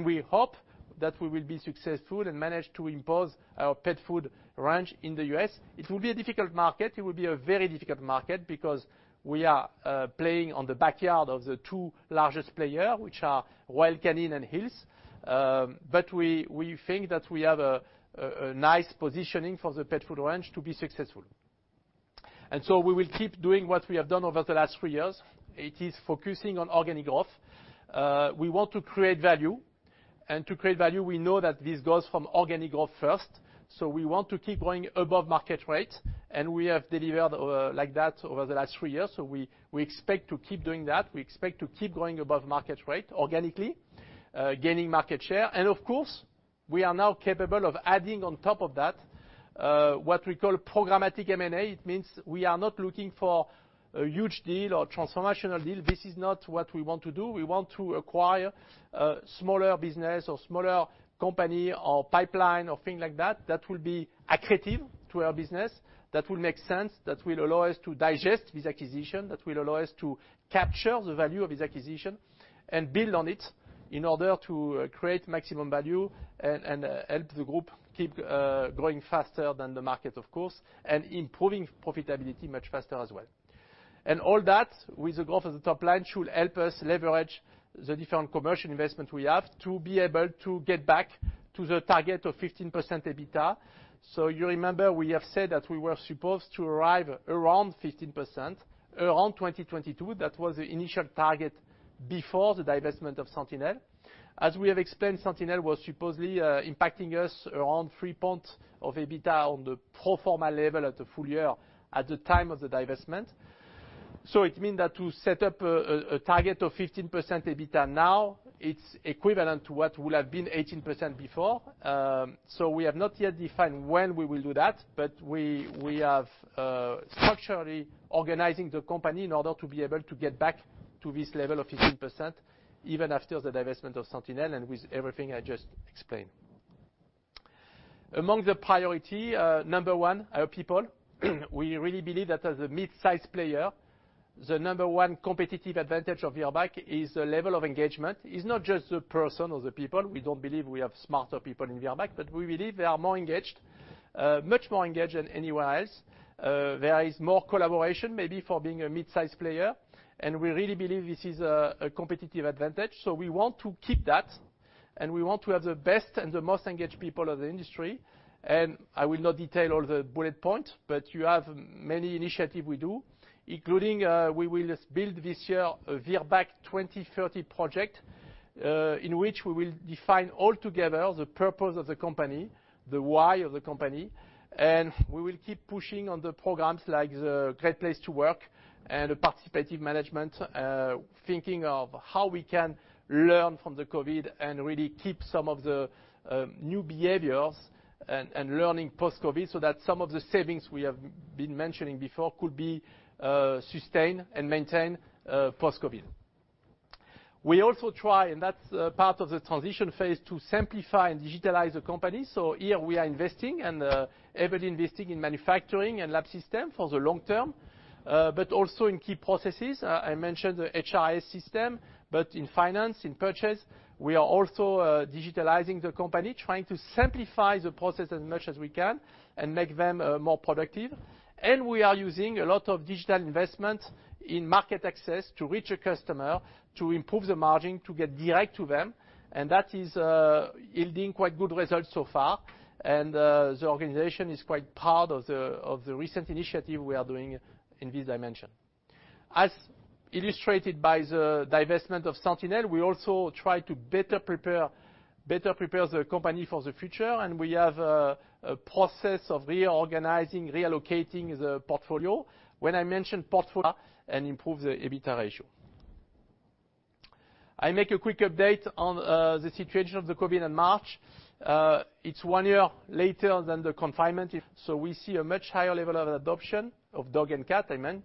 We hope that we will be successful and manage to impose our pet food range in the U.S. It will be a difficult market. It will be a very difficult market because we are playing on the backyard of the two largest player, which are Royal Canin and Hill's. We think that we have a nice positioning for the pet food range to be successful. We will keep doing what we have done over the last three years. It is focusing on organic growth. We want to create value. To create value, we know that this goes from organic growth first. We want to keep growing above market rate, and we have delivered like that over the last three years. We expect to keep doing that. We expect to keep growing above market rate organically, gaining market share. Of course, we are now capable of adding on top of that, what we call programmatic M&A. It means we are not looking for a huge deal or transformational deal. This is not what we want to do. We want to acquire smaller business or smaller company or pipeline or things like that will be accretive to our business, that will make sense, that will allow us to digest this acquisition, that will allow us to capture the value of this acquisition and build on it in order to create maximum value and help the group keep growing faster than the market, of course, and improving profitability much faster as well. All that with the growth of the top line should help us leverage the different commercial investment we have to be able to get back to the target of 15% EBITDA. You remember we have said that we were supposed to arrive around 15% around 2022. That was the initial target before the divestment of SENTINEL. As we have explained, SENTINEL was supposedly impacting us around three points of EBITDA on the pro forma level at the full year at the time of the divestment. It mean that to set up a target of 15% EBITDA now, it's equivalent to what would have been 18% before. We have not yet defined when we will do that, but we have structurally organizing the company in order to be able to get back to this level of 15%, even after the divestment of SENTINEL and with everything I just explained. Among the priority, number 1, our people. We really believe that as a mid-size player, the number 1 competitive advantage of Virbac is the level of engagement. It's not just the person or the people. We don't believe we have smarter people in Virbac, but we believe they are more engaged, much more engaged than anywhere else. There is more collaboration, maybe, for being a mid-size player, and we really believe this is a competitive advantage. We want to keep that, and we want to have the best and the most engaged people of the industry. I will not detail all the bullet points, but you have many initiative we do, including, we will build this year a Virbac 2030 project, in which we will define all together the purpose of the company, the why of the company, and we will keep pushing on the programs like the Great Place to Work and a participative management, thinking of how we can learn from the COVID and really keep some of the new behaviors and learning post-COVID so that some of the savings we have been mentioning before could be sustained and maintained post-COVID. We also try, and that's part of the transition phase, to simplify and digitalize the company. Here we are investing and heavily investing in manufacturing and lab system for the long term, but also in key processes. I mentioned the HRIS system, but in finance, in purchase, we are also digitalizing the company, trying to simplify the process as much as we can and make them more productive. We are using a lot of digital investment in market access to reach a customer, to improve the margin, to get direct to them. That is yielding quite good results so far. The organization is quite part of the recent initiative we are doing in this dimension. As illustrated by the divestment of SENTINEL, we also try to better prepare the company for the future, and we have a process of reorganizing, reallocating the portfolio. When I mention portfolio and improve the EBITDA ratio, I make a quick update on the situation of the COVID-19 in March. It's one year later than the confinement, so we see a much higher level of adoption of dog and cat, I mean,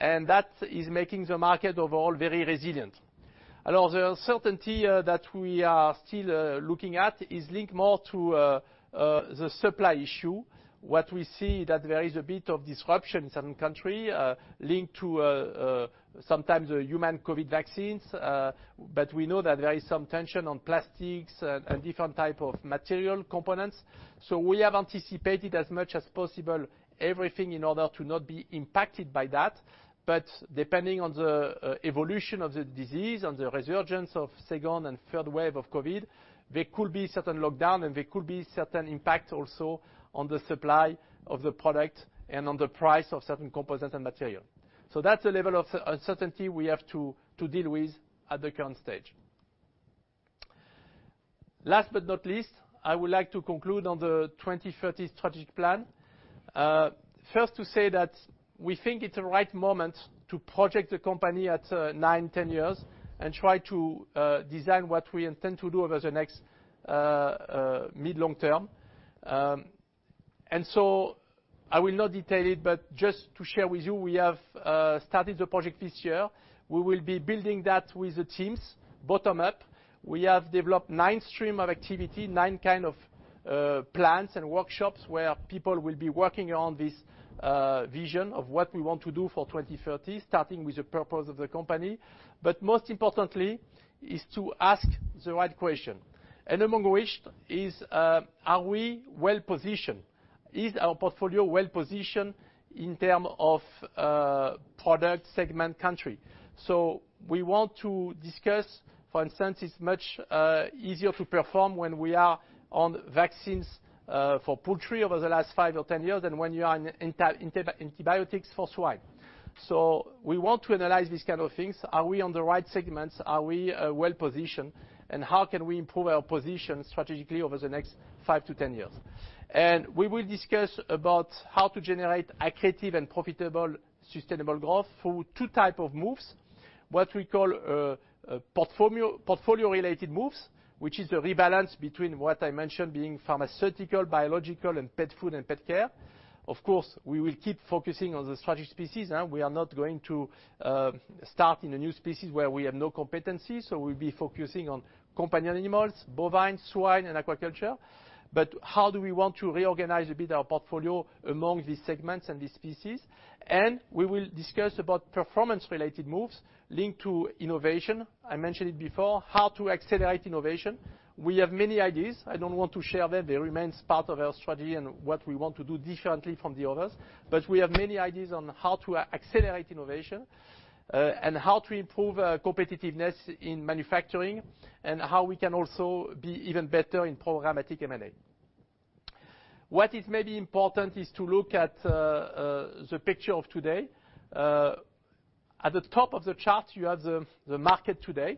and that is making the market overall very resilient. The uncertainty that we are still looking at is linked more to the supply issue. What we see that there is a bit of disruption in certain country, linked to sometimes human COVID vaccines, but we know that there is some tension on plastics and different type of material components. We have anticipated as much as possible everything in order to not be impacted by that. Depending on the evolution of the disease, on the resurgence of second and third wave of COVID, there could be certain lockdown and there could be certain impact also on the supply of the product and on the price of certain components and material. That's a level of uncertainty we have to deal with at the current stage. Last but not least, I would like to conclude on the 2030 strategic plan. First to say that we think it's the right moment to project the company at nine, 10 years and try to design what we intend to do over the next mid, long term. I will not detail it, but just to share with you, we have started the project this year. We will be building that with the teams bottom up. We have developed nine stream of activity, nine kind of plans and workshops where people will be working around this vision of what we want to do for 2030, starting with the purpose of the company. Most importantly is to ask the right question. Among which is, are we well-positioned? Is our portfolio well-positioned in term of product, segment, country? We want to discuss, for instance, it's much easier to perform when we are on vaccines for poultry over the last five or 10 years, and when you are in antibiotics for swine. We want to analyze these kind of things. Are we on the right segments? Are we well-positioned, and how can we improve our position strategically over the next five to 10 years? We will discuss about how to generate accretive and profitable, sustainable growth through 2 type of moves. What we call a portfolio-related moves, which is a rebalance between what I mentioned being pharmaceutical, biological, and pet food and pet care. Of course, we will keep focusing on the strategic species. We are not going to start in a new species where we have no competency. We'll be focusing on companion animals, bovine, swine, and aquaculture. How do we want to reorganize a bit our portfolio among these segments and these species? We will discuss about performance-related moves linked to innovation. I mentioned it before, how to accelerate innovation. We have many ideas. I don't want to share them. They remain part of our strategy and what we want to do differently from the others. We have many ideas on how to accelerate innovation, and how to improve our competitiveness in manufacturing, and how we can also be even better in programmatic M&A. What is maybe important is to look at the picture of today. At the top of the chart, you have the market today.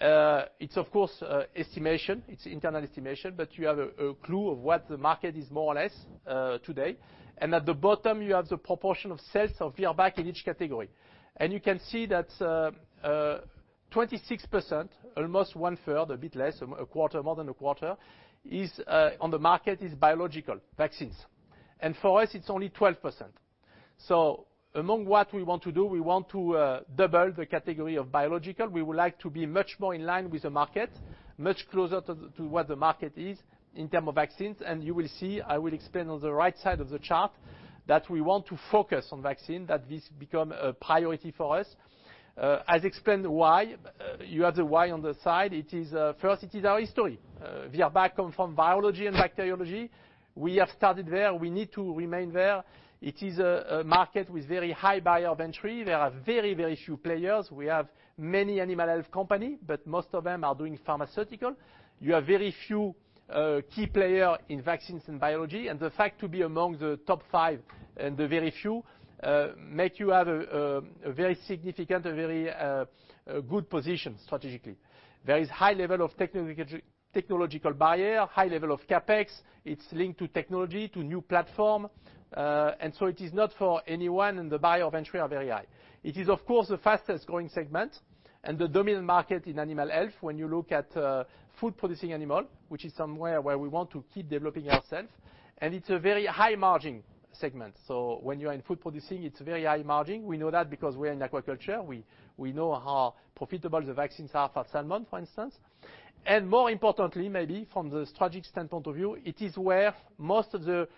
It's, of course, estimation. It's internal estimation, but you have a clue of what the market is more or less today. At the bottom, you have the proportion of sales of Virbac in each category. You can see that 26%, almost one-third, a bit less, more than a quarter, on the market is biological, vaccines. For us, it's only 12%. Among what we want to do, we want to double the category of biological. We would like to be much more in line with the market, much closer to what the market is in term of vaccines. You will see, I will explain on the right side of the chart that we want to focus on vaccine, that this become a priority for us. I'll explain why. You have the why on the side. First, it is our history. Virbac come from biology and bacteriology. We have started there. We need to remain there. It is a market with very high barrier to entry. There are very few players. We have many animal health companies, but most of them are doing pharmaceuticals. You have very few key players in vaccines and biology. The fact to be among the top five and the very few, makes you have a very significant, a very good position strategically. There is high level of technological barriers, high level of CapEx. It's linked to technology, to new platforms. It is not for anyone, and the barriers to entry are very high. It is, of course, the fastest-growing segment and the dominant market in animal health when you look at food-producing animal, which is somewhere where we want to keep developing ourselves. It's a very high margin segment. When you're in food-producing, it's very high margin. We know that because we're in aquaculture. We know how profitable the vaccines are for salmon, for instance. More importantly, maybe, from the strategic standpoint of view, it is where most of the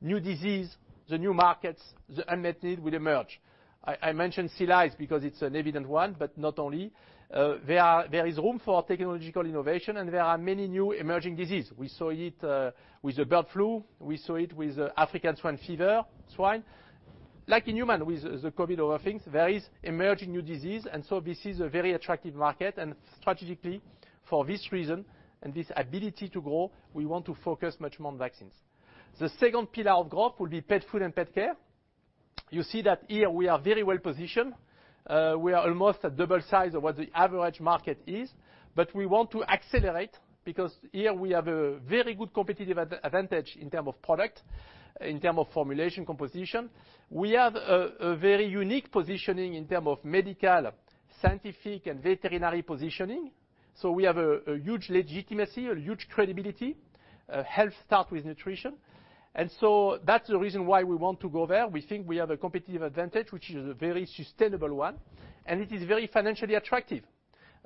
new disease, the new markets, the unmet need will emerge. I mentioned sea lice because it's an evident one, but not only. There is room for technological innovation, there are many new emerging disease. We saw it with the bird flu, we saw it with African swine fever, swine. Like in human with the COVID over things, there is emerging new disease, this is a very attractive market. Strategically, for this reason and this ability to grow, we want to focus much more on vaccines. The second pillar of growth will be pet food and pet care. You see that here we are very well-positioned. We are almost a double size of what the average market is. We want to accelerate, because here we have a very good competitive advantage in term of product, in term of formulation, composition. We have a very unique positioning in term of medical, scientific, and veterinary positioning. We have a huge legitimacy, a huge credibility. Health start with nutrition. That's the reason why we want to go there. We think we have a competitive advantage, which is a very sustainable one, and it is very financially attractive.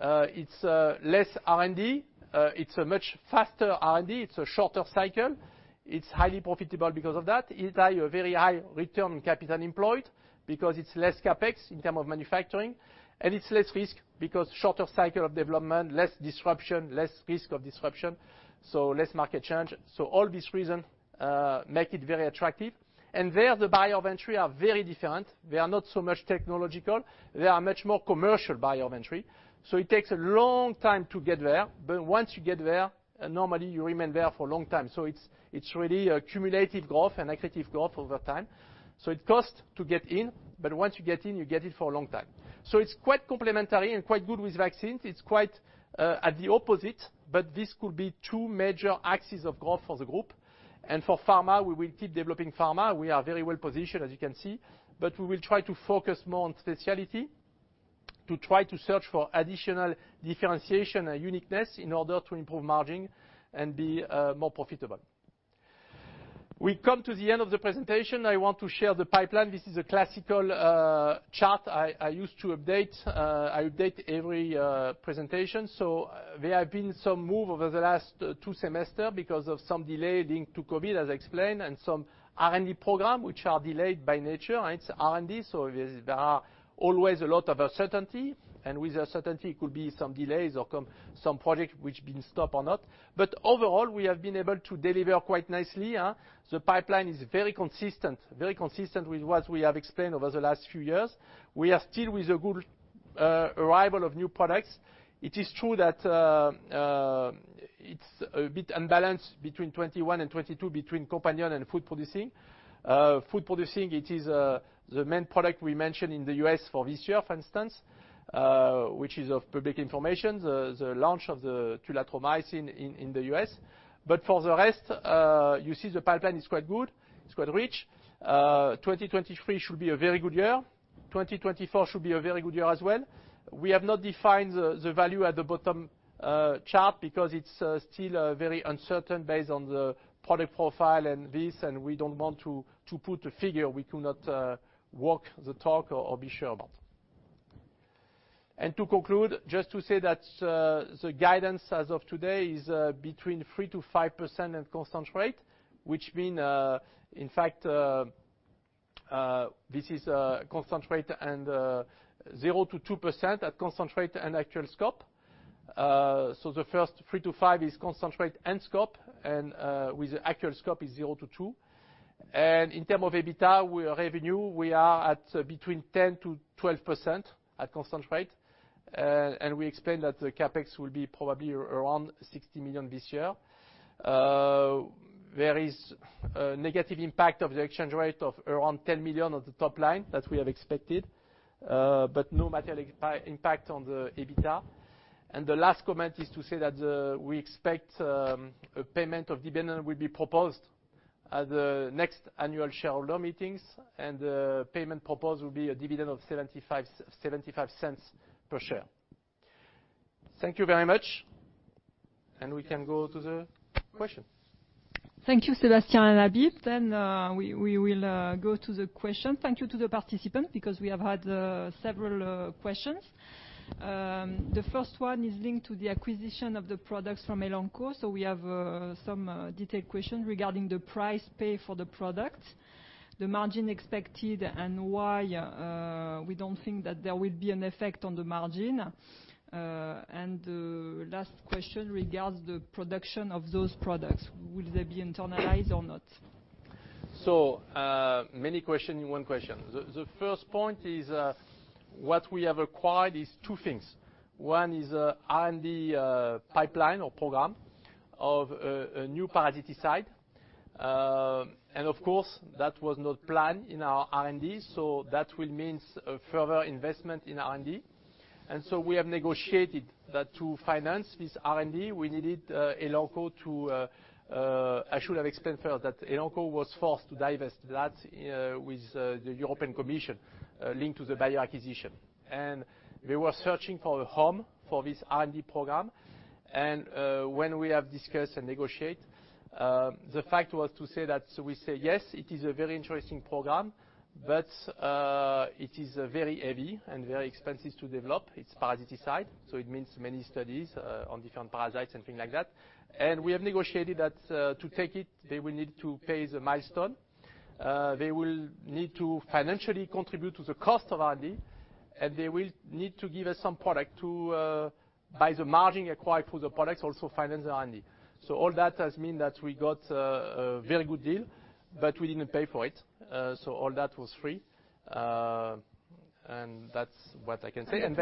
It's less R&D. It's a much faster R&D. It's a shorter cycle. It's highly profitable because of that. It has a very high return on capital employed because it's less CapEx in term of manufacturing. It's less risk because shorter cycle of development, less disruption, less risk of disruption, so less market change. All these reasons make it very attractive. There, the barriers to entry are very different. They are not so much technological. They are much more commercial barriers to entry. It takes a long time to get there. Once you get there, normally you remain there for a long time. It's really a cumulative growth and accretive growth over time. It costs to get in, but once you get in, you get it for a long time. It's quite complementary and quite good with vaccines. It's quite at the opposite, but this could be two major axes of growth for the group. For pharma, we will keep developing pharma. We are very well-positioned, as you can see. We will try to focus more on specialty to try to search for additional differentiation and uniqueness in order to improve margin and be more profitable. We come to the end of the presentation. I want to share the pipeline. This is a classical chart I use to update. I update every presentation. There have been some move over the last two semester because of some delay linked to COVID, as I explained, and some R&D program, which are delayed by nature. It's R&D, so there are always a lot of uncertainty. With uncertainty could be some delays or some project which been stopped or not. Overall, we have been able to deliver quite nicely. The pipeline is very consistent with what we have explained over the last few years. We are still with a good arrival of new products. It is true that it's a bit unbalanced between 2021 and 2022 between companion and food producing. Food producing, it is the main product we mention in the U.S. for this year, for instance, which is of public information, the launch of the tulathromycin in the U.S. For the rest, you see the pipeline is quite good. It's quite rich. 2023 should be a very good year. 2024 should be a very good year as well. We have not defined the value at the bottom chart because it's still very uncertain based on the product profile and this, and we don't want to put a figure we cannot walk the talk or be sure about. To conclude, just to say that the guidance as of today is between 3%-5% in constant rate, which mean, in fact, this is a constant rate and 0%-2% at constant rate and actual scope. The first 3%-5% is constant rate and scope, and with the actual scope is 0%-2%. In terms of EBITDA revenue, we are at between 10%-12% at constant rate. We explained that the CapEx will be probably around 60 million this year. There is a negative impact of the exchange rate of around 10 million on the top line that we have expected. No material impact on the EBITDA. The last comment is to say that we expect a payment of dividend will be proposed at the next annual shareholder meetings, and payment proposed will be a dividend of 0.75 per share. Thank you very much. We can go to the questions. Thank you, Sébastien and Habib. We will go to the question. Thank you to the participant because we have had several questions. The first one is linked to the acquisition of the products from Elanco. We have some detailed question regarding the price pay for the product, the margin expected, and why we don't think that there will be an effect on the margin. The last question regards the production of those products. Will they be internalized or not? Many question in one question. The first point is what we have acquired is two things. One is a R&D pipeline or program of a new parasiticide. Of course, that was not planned in our R&D, so that will means a further investment in R&D. We have negotiated that to finance this R&D, we needed Elanco to I should have explained first that Elanco was forced to divest that with the European Commission, linked to the Bayer acquisition. We were searching for a home for this R&D program. When we have discussed and negotiate, the fact was to say that, we say, yes, it is a very interesting program, but it is very heavy and very expensive to develop. It's parasiticide, so it means many studies on different parasites and things like that. We have negotiated that to take it, they will need to pay the milestone. They will need to financially contribute to the cost of R&D, and they will need to give us some product to, by the margin acquired for the products, also finance the R&D. All that has meant that we got a very good deal, but we didn't pay for it. All that was free. That's what I can say. On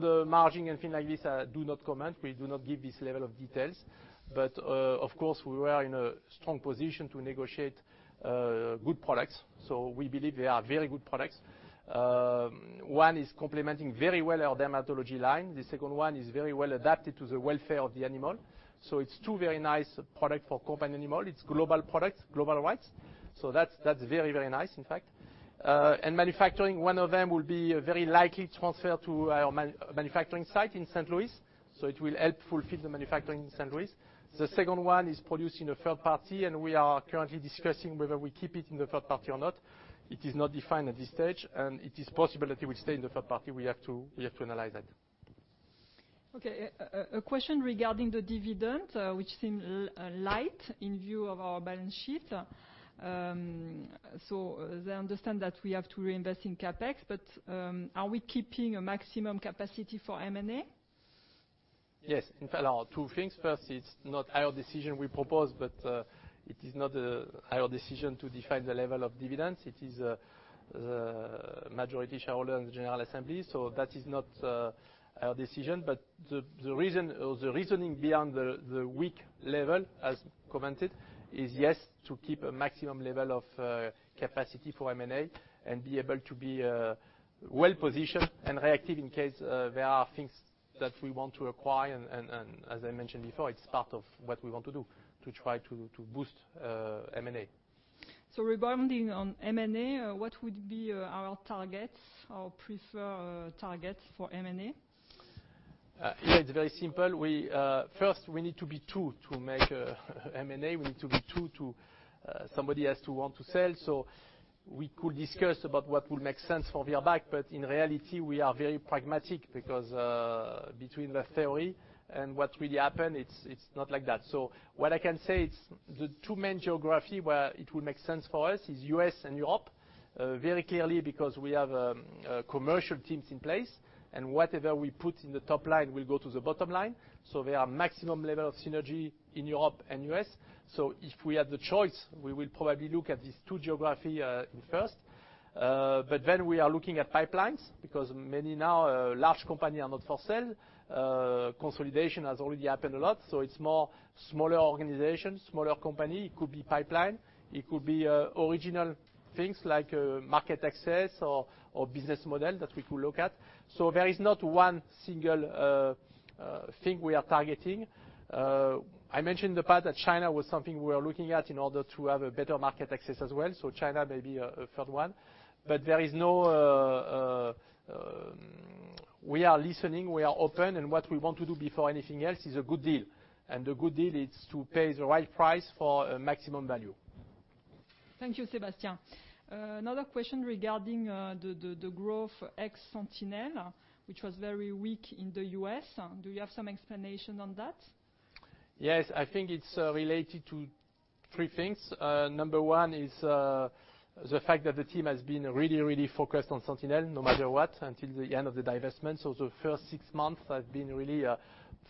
the margin and thing like this, I do not comment. We do not give this level of details. Of course, we were in a strong position to negotiate good products, so we believe they are very good products. One is complementing very well our dermatology line. The second one is very well adapted to the welfare of the animal. It's two very nice product for companion animal. It's global products, global rights. That's very nice, in fact. Manufacturing, one of them will be very likely transferred to our manufacturing site in St. Louis, so it will help fulfill the manufacturing in St. Louis. The second one is produced in a third party, and we are currently discussing whether we keep it in the third party or not. It is not defined at this stage, and it is possible that it will stay in the third party. We have to analyze that. Okay, a question regarding the dividend, which seemed light in view of our balance sheet. They understand that we have to reinvest in CapEx. Are we keeping a maximum capacity for M&A? Yes. In fact, two things. First, it's not our decision we propose, but it is not our decision to define the level of dividends. It is the majority shareholder and the general assembly. That is not our decision, but the reasoning behind the weak level, as commented, is yes, to keep a maximum level of capacity for M&A and be able to be well-positioned and reactive in case there are things that we want to acquire, and as I mentioned before, it's part of what we want to do, to try to boost M&A. Rebounding on M&A, what would be our targets or preferred targets for M&A? Yeah, it's very simple. First, we need to be two to make M&A, somebody has to want to sell. We could discuss about what will make sense for Virbac, but in reality, we are very pragmatic because, between the theory and what really happened, it's not like that. What I can say, it's the two main geography where it will make sense for us is U.S. and Europe, very clearly because we have commercial teams in place. Whatever we put in the top line will go to the bottom line. There are maximum level of synergy in Europe and U.S. If we have the choice, we will probably look at these two geography in first. We are looking at pipelines because many now, large company are not for sale. Consolidation has already happened a lot, so it's more smaller organizations, smaller company. It could be pipeline, it could be original things like market access or business model that we could look at. There is not one single thing we are targeting. I mentioned the part that China was something we are looking at in order to have a better market access as well. China may be a third one. We are listening, we are open. What we want to do before anything else is a good deal. A good deal is to pay the right price for maximum value. Thank you, Sébastien. Another question regarding the growth ex-SENTINEL, which was very weak in the U.S. Do you have some explanation on that? Yes, I think it's related to three things. Number one is the fact that the team has been really, really focused on SENTINEL no matter what, until the end of the divestment. The first six months have been really,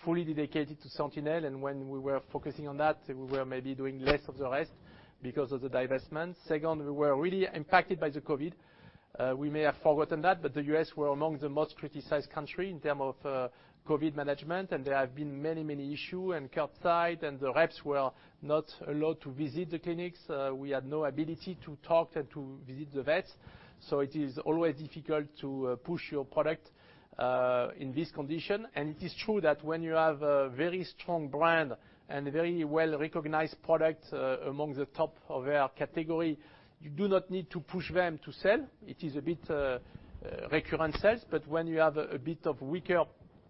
fully dedicated to SENTINEL, and when we were focusing on that, we were maybe doing less of the rest because of the divestment. Second, we were really impacted by the COVID-19. We may have forgotten that, the U.S. were among the most criticized country in term of COVID-19 management, and there have been many, many issue and curbside, and the reps were not allowed to visit the clinics. We had no ability to talk and to visit the vets. It is always difficult to push your product in this condition. It is true that when you have a very strong brand and a very well-recognized product among the top of our category, you do not need to push them to sell. It is a bit recurrent sales, but when you have a bit of weaker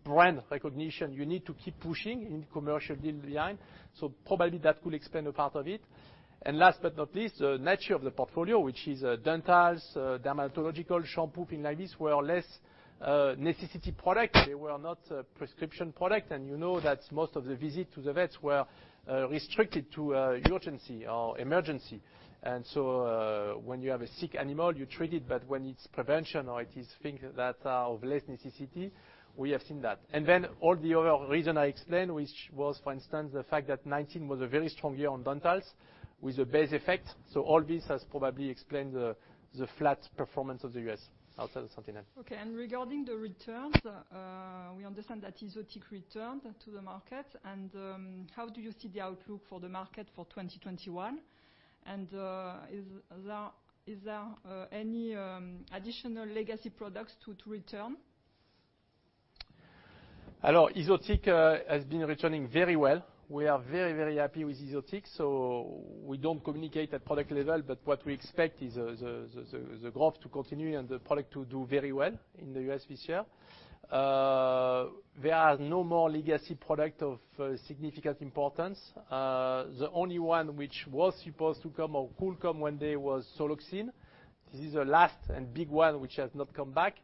brand recognition, you need to keep pushing in commercial deal behind. Probably that could explain a part of it. Last but not least, the nature of the portfolio, which is dentals, dermatological shampoo, things like this, were less necessity product. They were not a prescription product, and you know that most of the visit to the vets were restricted to urgency or emergency. When you have a sick animal, you treat it. When it's prevention or it is things that are of less necessity, we have seen that. All the other reason I explained, which was, for instance, the fact that 2019 was a very strong year on dentals with a base effect. All this has probably explained the flat performance of the U.S. outside of SENTINEL. Okay. Regarding the returns, we understand that Epi-Otic returned to the market. How do you see the outlook for the market for 2021? Is there any additional legacy products to return? Hello. Epi-Otic has been returning very well. We are very, very happy with Epi-Otic. We don't communicate at product level, but what we expect is the growth to continue and the product to do very well in the U.S. this year. There are no more legacy product of significant importance. The only one which was supposed to come or could come one day was Soloxine. This is a last and big one, which has not come back.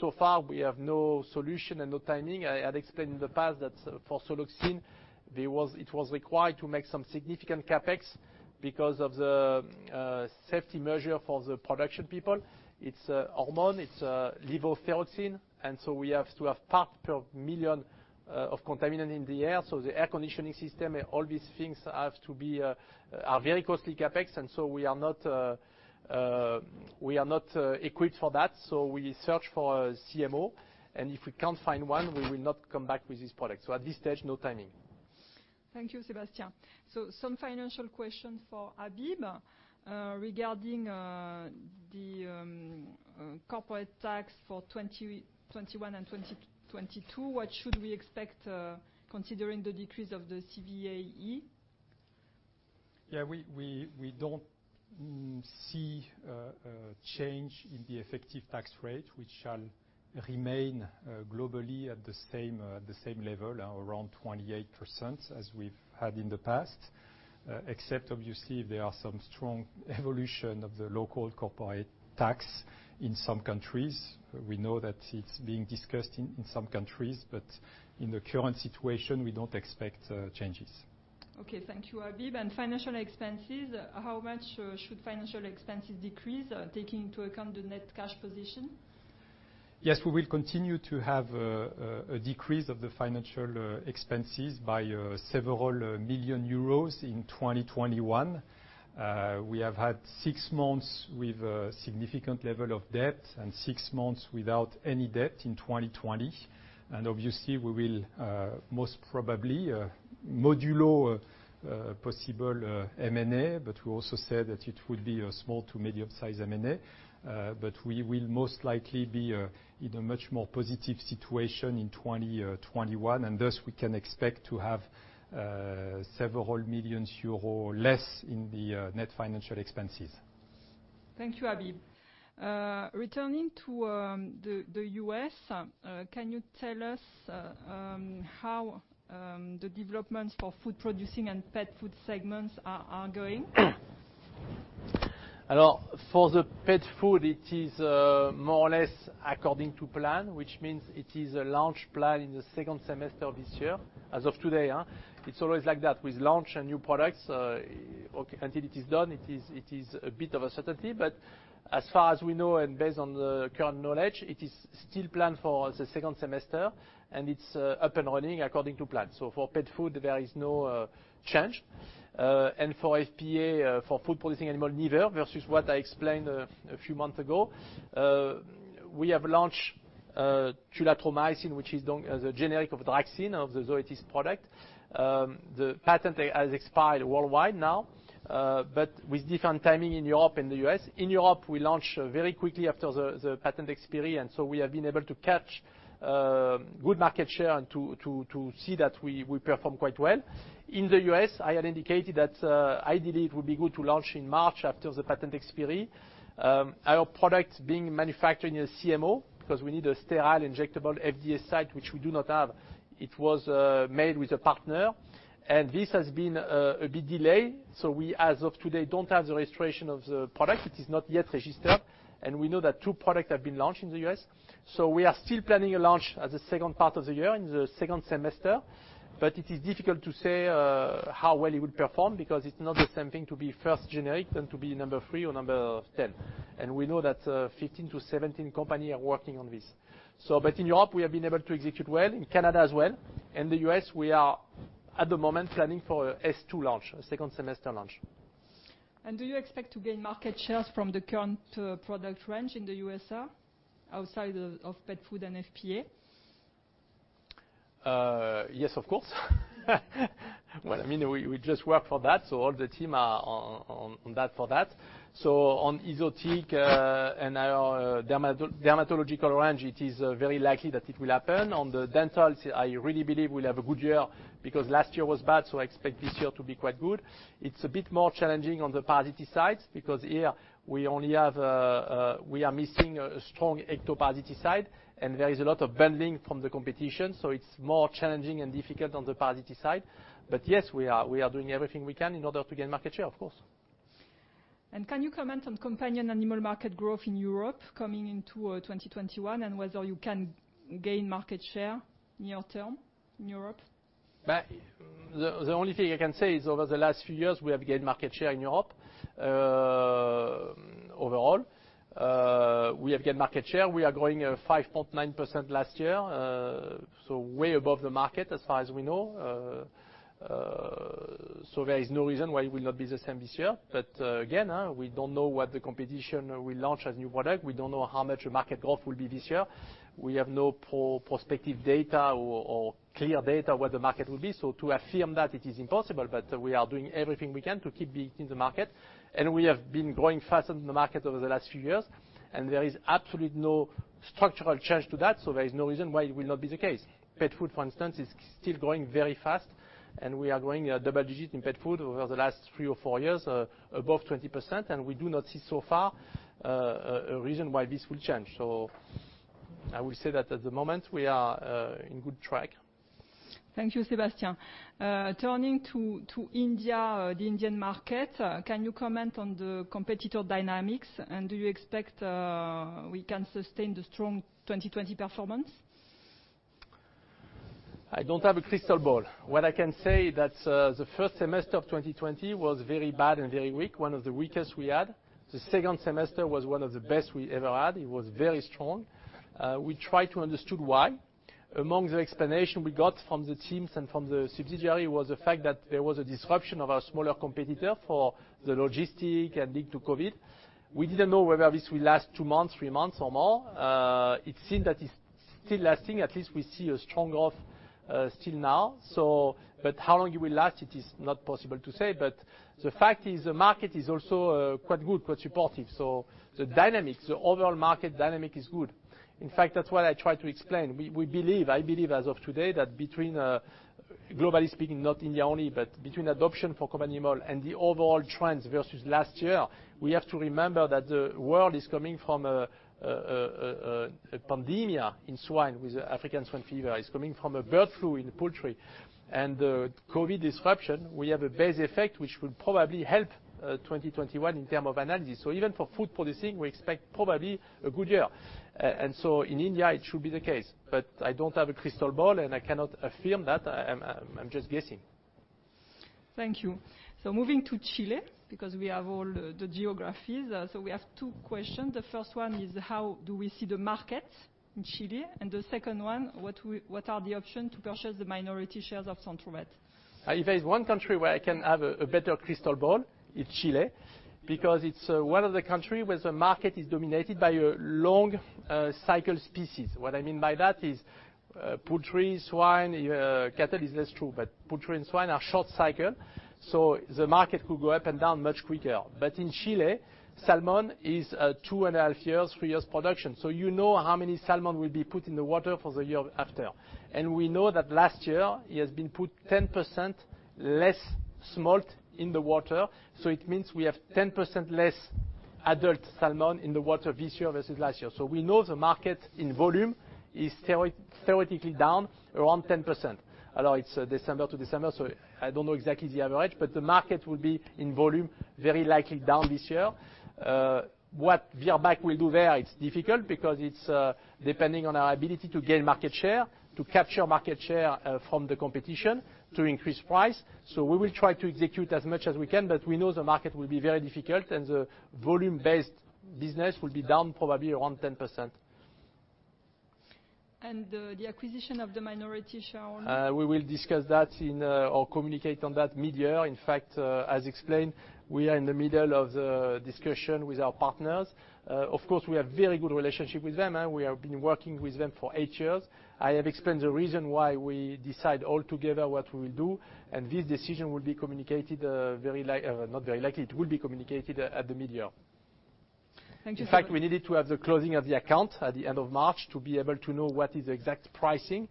So far, we have no solution and no timing. I had explained in the past that for Soloxine, it was required to make some significant CapEx because of the safety measure for the production people. It's a hormone, it's a levothyroxine, we have to have part per million of contaminant in the air. The air conditioning system and all these things are very costly CapEx. We are not equipped for that, so we search for a CMO, and if we can't find one, we will not come back with this product. At this stage, no timing. Thank you, Sébastien. Some financial question for Habib. Regarding the corporate tax for 2021 and 2022, what should we expect, considering the decrease of the CVAE? Yeah, we don't see a change in the effective tax rate, which shall remain globally at the same level, around 28% as we've had in the past. Except, obviously, there are some strong evolution of the local corporate tax in some countries. We know that it's being discussed in some countries. In the current situation, we don't expect changes. Okay. Thank you, Habib. Financial expenses, how much should financial expenses decrease, taking into account the net cash position? Yes, we will continue to have a decrease of the financial expenses by several million EUR in 2021. We have had six months with a significant level of debt and six months without any debt in 2020. Obviously, we will, most probably, modulo possible M&A, but we also said that it would be a small to medium size M&A. We will most likely be in a much more positive situation in 2021, and thus, we can expect to have several million EUR less in the net financial expenses. Thank you, Habib. Returning to the U.S., can you tell us how the developments for food producing and pet food segments are going? For the pet food, it is more or less according to plan, which means it is a launch plan in the second semester of this year, as of today. It's always like that with launch and new products. Until it is done, it is a bit of uncertainty. As far as we know, and based on the current knowledge, it is still planned for the second semester, and it's up and running according to plan. For pet food, there is no change. For FPA, for food-producing animal, never, versus what I explained a few months ago. We have launched tulathromycin, which is the generic of DRAXXIN, of the Zoetis product. The patent has expired worldwide now, but with different timing in Europe and the U.S. In Europe, we launch very quickly after the patent expiry, and so we have been able to catch good market share and to see that we perform quite well. In the U.S., I had indicated that ideally it would be good to launch in March after the patent expiry. Our product is being manufactured in a CMO, because we need a sterile injectable FDA site, which we do not have. It was made with a partner. This has been a big delay, so we, as of today, don't have the registration of the product. It is not yet registered. We know that two products have been launched in the U.S. We are still planning a launch at the second part of the year, in the second semester, it is difficult to say how well it will perform because it's not the same thing to be first generic than to be number 3 or number 10. We know that 15 to 17 companies are working on this. In Europe, we have been able to execute well, in Canada as well. In the U.S., we are, at the moment, planning for a S2 launch, a second semester launch. Do you expect to gain market shares from the current product range in the U.S.A., outside of pet food and FPA? Yes, of course. Well, we just work for that, so all the team are on that for that. On exotic and our dermatological range, it is very likely that it will happen. On the dental, I really believe we'll have a good year, because last year was bad, so I expect this year to be quite good. It's a bit more challenging on the parasite side, because here we are missing a strong ectoparasite side, and there is a lot of bundling from the competition, so it's more challenging and difficult on the parasite side. Yes, we are doing everything we can in order to gain market share, of course. Can you comment on companion animal market growth in Europe coming into 2021, and whether you can gain market share near-term in Europe? The only thing I can say is, over the last few years, we have gained market share in Europe. Overall, we have gained market share. We are growing at 5.9% last year, so way above the market as far as we know. There is no reason why it will not be the same this year. Again, we don't know what the competition will launch as new product. We don't know how much market growth will be this year. We have no prospective data or clear data what the market will be. To affirm that, it is impossible, but we are doing everything we can to keep beating the market. We have been growing faster than the market over the last few years, and there is absolutely no structural change to that, so there is no reason why it will not be the case. Pet food, for instance, is still growing very fast, and we are growing at double digit in pet food over the last three or four years, above 20%, and we do not see so far a reason why this will change. I will say that at the moment, we are in good track. Thank you, Sébastien. Turning to India, the Indian market, can you comment on the competitor dynamics, and do you expect we can sustain the strong 2020 performance? I don't have a crystal ball. What I can say, that the first semester of 2020 was very bad and very weak, one of the weakest we had. The second semester was one of the best we ever had. It was very strong. We try to understand why. Among the explanation we got from the teams and from the subsidiary was the fact that there was a disruption of our smaller competitor for the logistics and linked to COVID. We didn't know whether this will last two months, three months, or more. It seemed that it's still lasting. At least we see a strong growth still now. How long it will last, it is not possible to say. The fact is, the market is also quite good, quite supportive. The dynamics, the overall market dynamic is good. In fact, that's what I try to explain. We believe, I believe as of today, that between, globally speaking, not India only, but between adoption for companion animal and the overall trends versus last year, we have to remember that the world is coming from a pandemic in swine with African swine fever. It's coming from a bird flu in poultry. The COVID-19 disruption, we have a base effect which will probably help 2021 in term of analysis. Even for food producing, we expect probably a good year. In India, it should be the case. I don't have a crystal ball, and I cannot affirm that. I'm just guessing. Thank you. Moving to Chile, because we have all the geographies. We have two questions. The first one is, how do we see the market in Chile? The second one, what are the options to purchase the minority shares of Centrovet? If there's one country where I can have a better crystal ball, it's Chile. Because it's one of the country where the market is dominated by a long cycle species. What I mean by that is poultry, swine, cattle is less true, but poultry and swine are short cycle, the market could go up and down much quicker. In Chile, salmon is two and a half years, three years production. You know how many salmon will be put in the water for the year after. We know that last year, it has been put 10% less smolt in the water, so it means we have 10% less adult salmon in the water this year versus last year. We know the market in volume is theoretically down around 10%. Although it's December to December, so I don't know exactly the average, but the market will be, in volume, very likely down this year. What Virbac will do there, it's difficult because it's depending on our ability to gain market share, to capture market share from the competition, to increase price. We will try to execute as much as we can, but we know the market will be very difficult and the volume-based business will be down probably around 10%. The acquisition of the minority shareholding? We will communicate on that mid-year. As explained, we are in the middle of the discussion with our partners. Of course, we have very good relationship with them. We have been working with them for eight years. I have explained the reason why we decide all together what we will do. This decision will be communicated at the mid-year. Thank you so- In fact, we needed to have the closing of the account at the end of March to be able to know what is the exact pricing,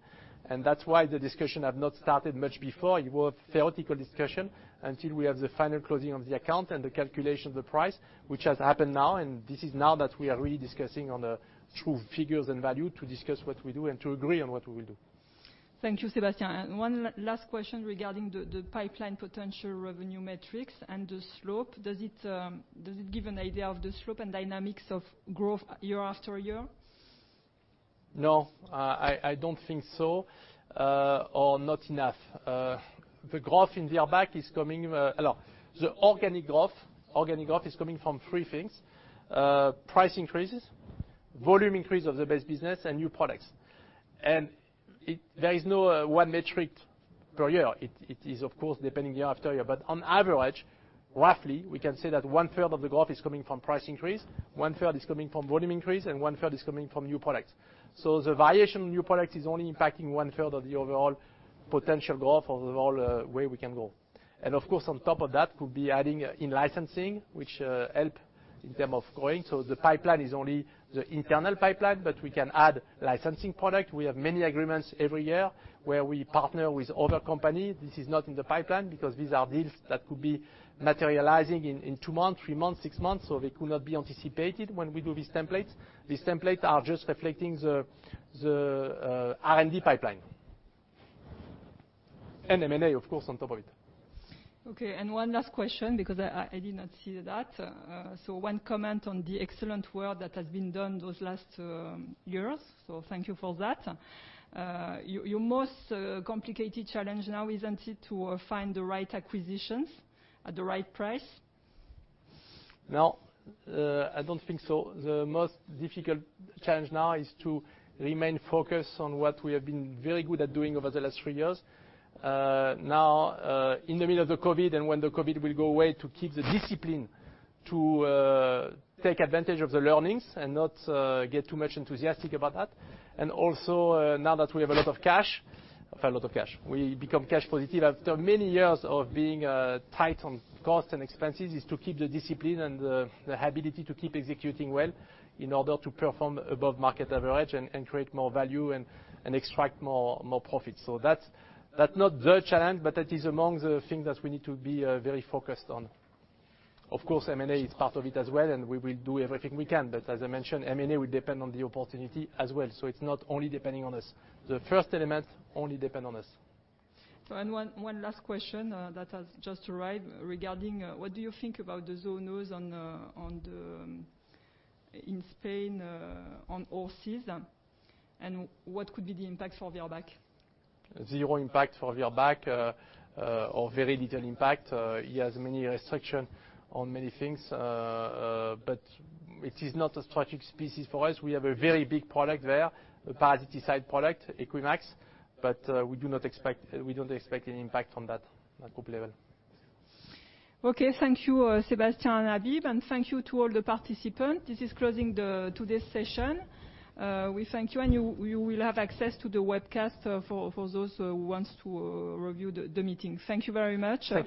and that's why the discussion have not started much before. It was theoretical discussion until we have the final closing of the account and the calculation of the price, which has happened now, and this is now that we are really discussing on the true figures and value to discuss what we do and to agree on what we will do. Thank you, Sébastien. One last question regarding the pipeline potential revenue metrics and the slope. Does it give an idea of the slope and dynamics of growth year after year? No, I don't think so. Not enough. The organic growth is coming from three things: price increases, volume increase of the base business, and new products. There is no one metric per year. It is, of course, depending year after year. On average, roughly, we can say that one-third of the growth is coming from price increase, one-third is coming from volume increase, and one-third is coming from new products. The variation of new products is only impacting one-third of the overall potential growth, overall where we can go. Of course, on top of that could be adding in licensing, which help in term of growing. The pipeline is only the internal pipeline, but we can add licensing product. We have many agreements every year where we partner with other company. This is not in the pipeline because these are deals that could be materializing in two months, three months, six months, so they could not be anticipated when we do these templates. These templates are just reflecting the R&D pipeline. M&A, of course, on top of it. One last question because I did not see that. One comment on the excellent work that has been done those last years, so thank you for that. Your most complicated challenge now, isn't it, to find the right acquisitions at the right price? No, I don't think so. The most difficult challenge now is to remain focused on what we have been very good at doing over the last three years. Now, in the middle of the COVID, and when the COVID will go away, to keep the discipline, to take advantage of the learnings and not get too much enthusiastic about that. Also, now that we have a lot of cash. We become cash positive after many years of being tight on costs and expenses, is to keep the discipline and the ability to keep executing well in order to perform above market average and create more value and extract more profits. That's not the challenge, but that is among the things that we need to be very focused on. Of course, M&A is part of it as well. We will do everything we can. As I mentioned, M&A will depend on the opportunity as well, so it's not only depending on us. The first element only depends on us. One last question that has just arrived regarding what do you think about the zoonosis in Spain on horses, and what could be the impact for Virbac? Zero impact for Virbac, or very little impact. It has many restriction on many things, but it is not a strategic species for us. We have a very big product there, a parasiticide product, EQUIMAX, but we do not expect any impact from that at group level. Okay. Thank you, Sébastien and Habib, and thank you to all the participants. This is closing today's session. We thank you, and you will have access to the webcast for those who wants to review the meeting. Thank you very much. Thank you.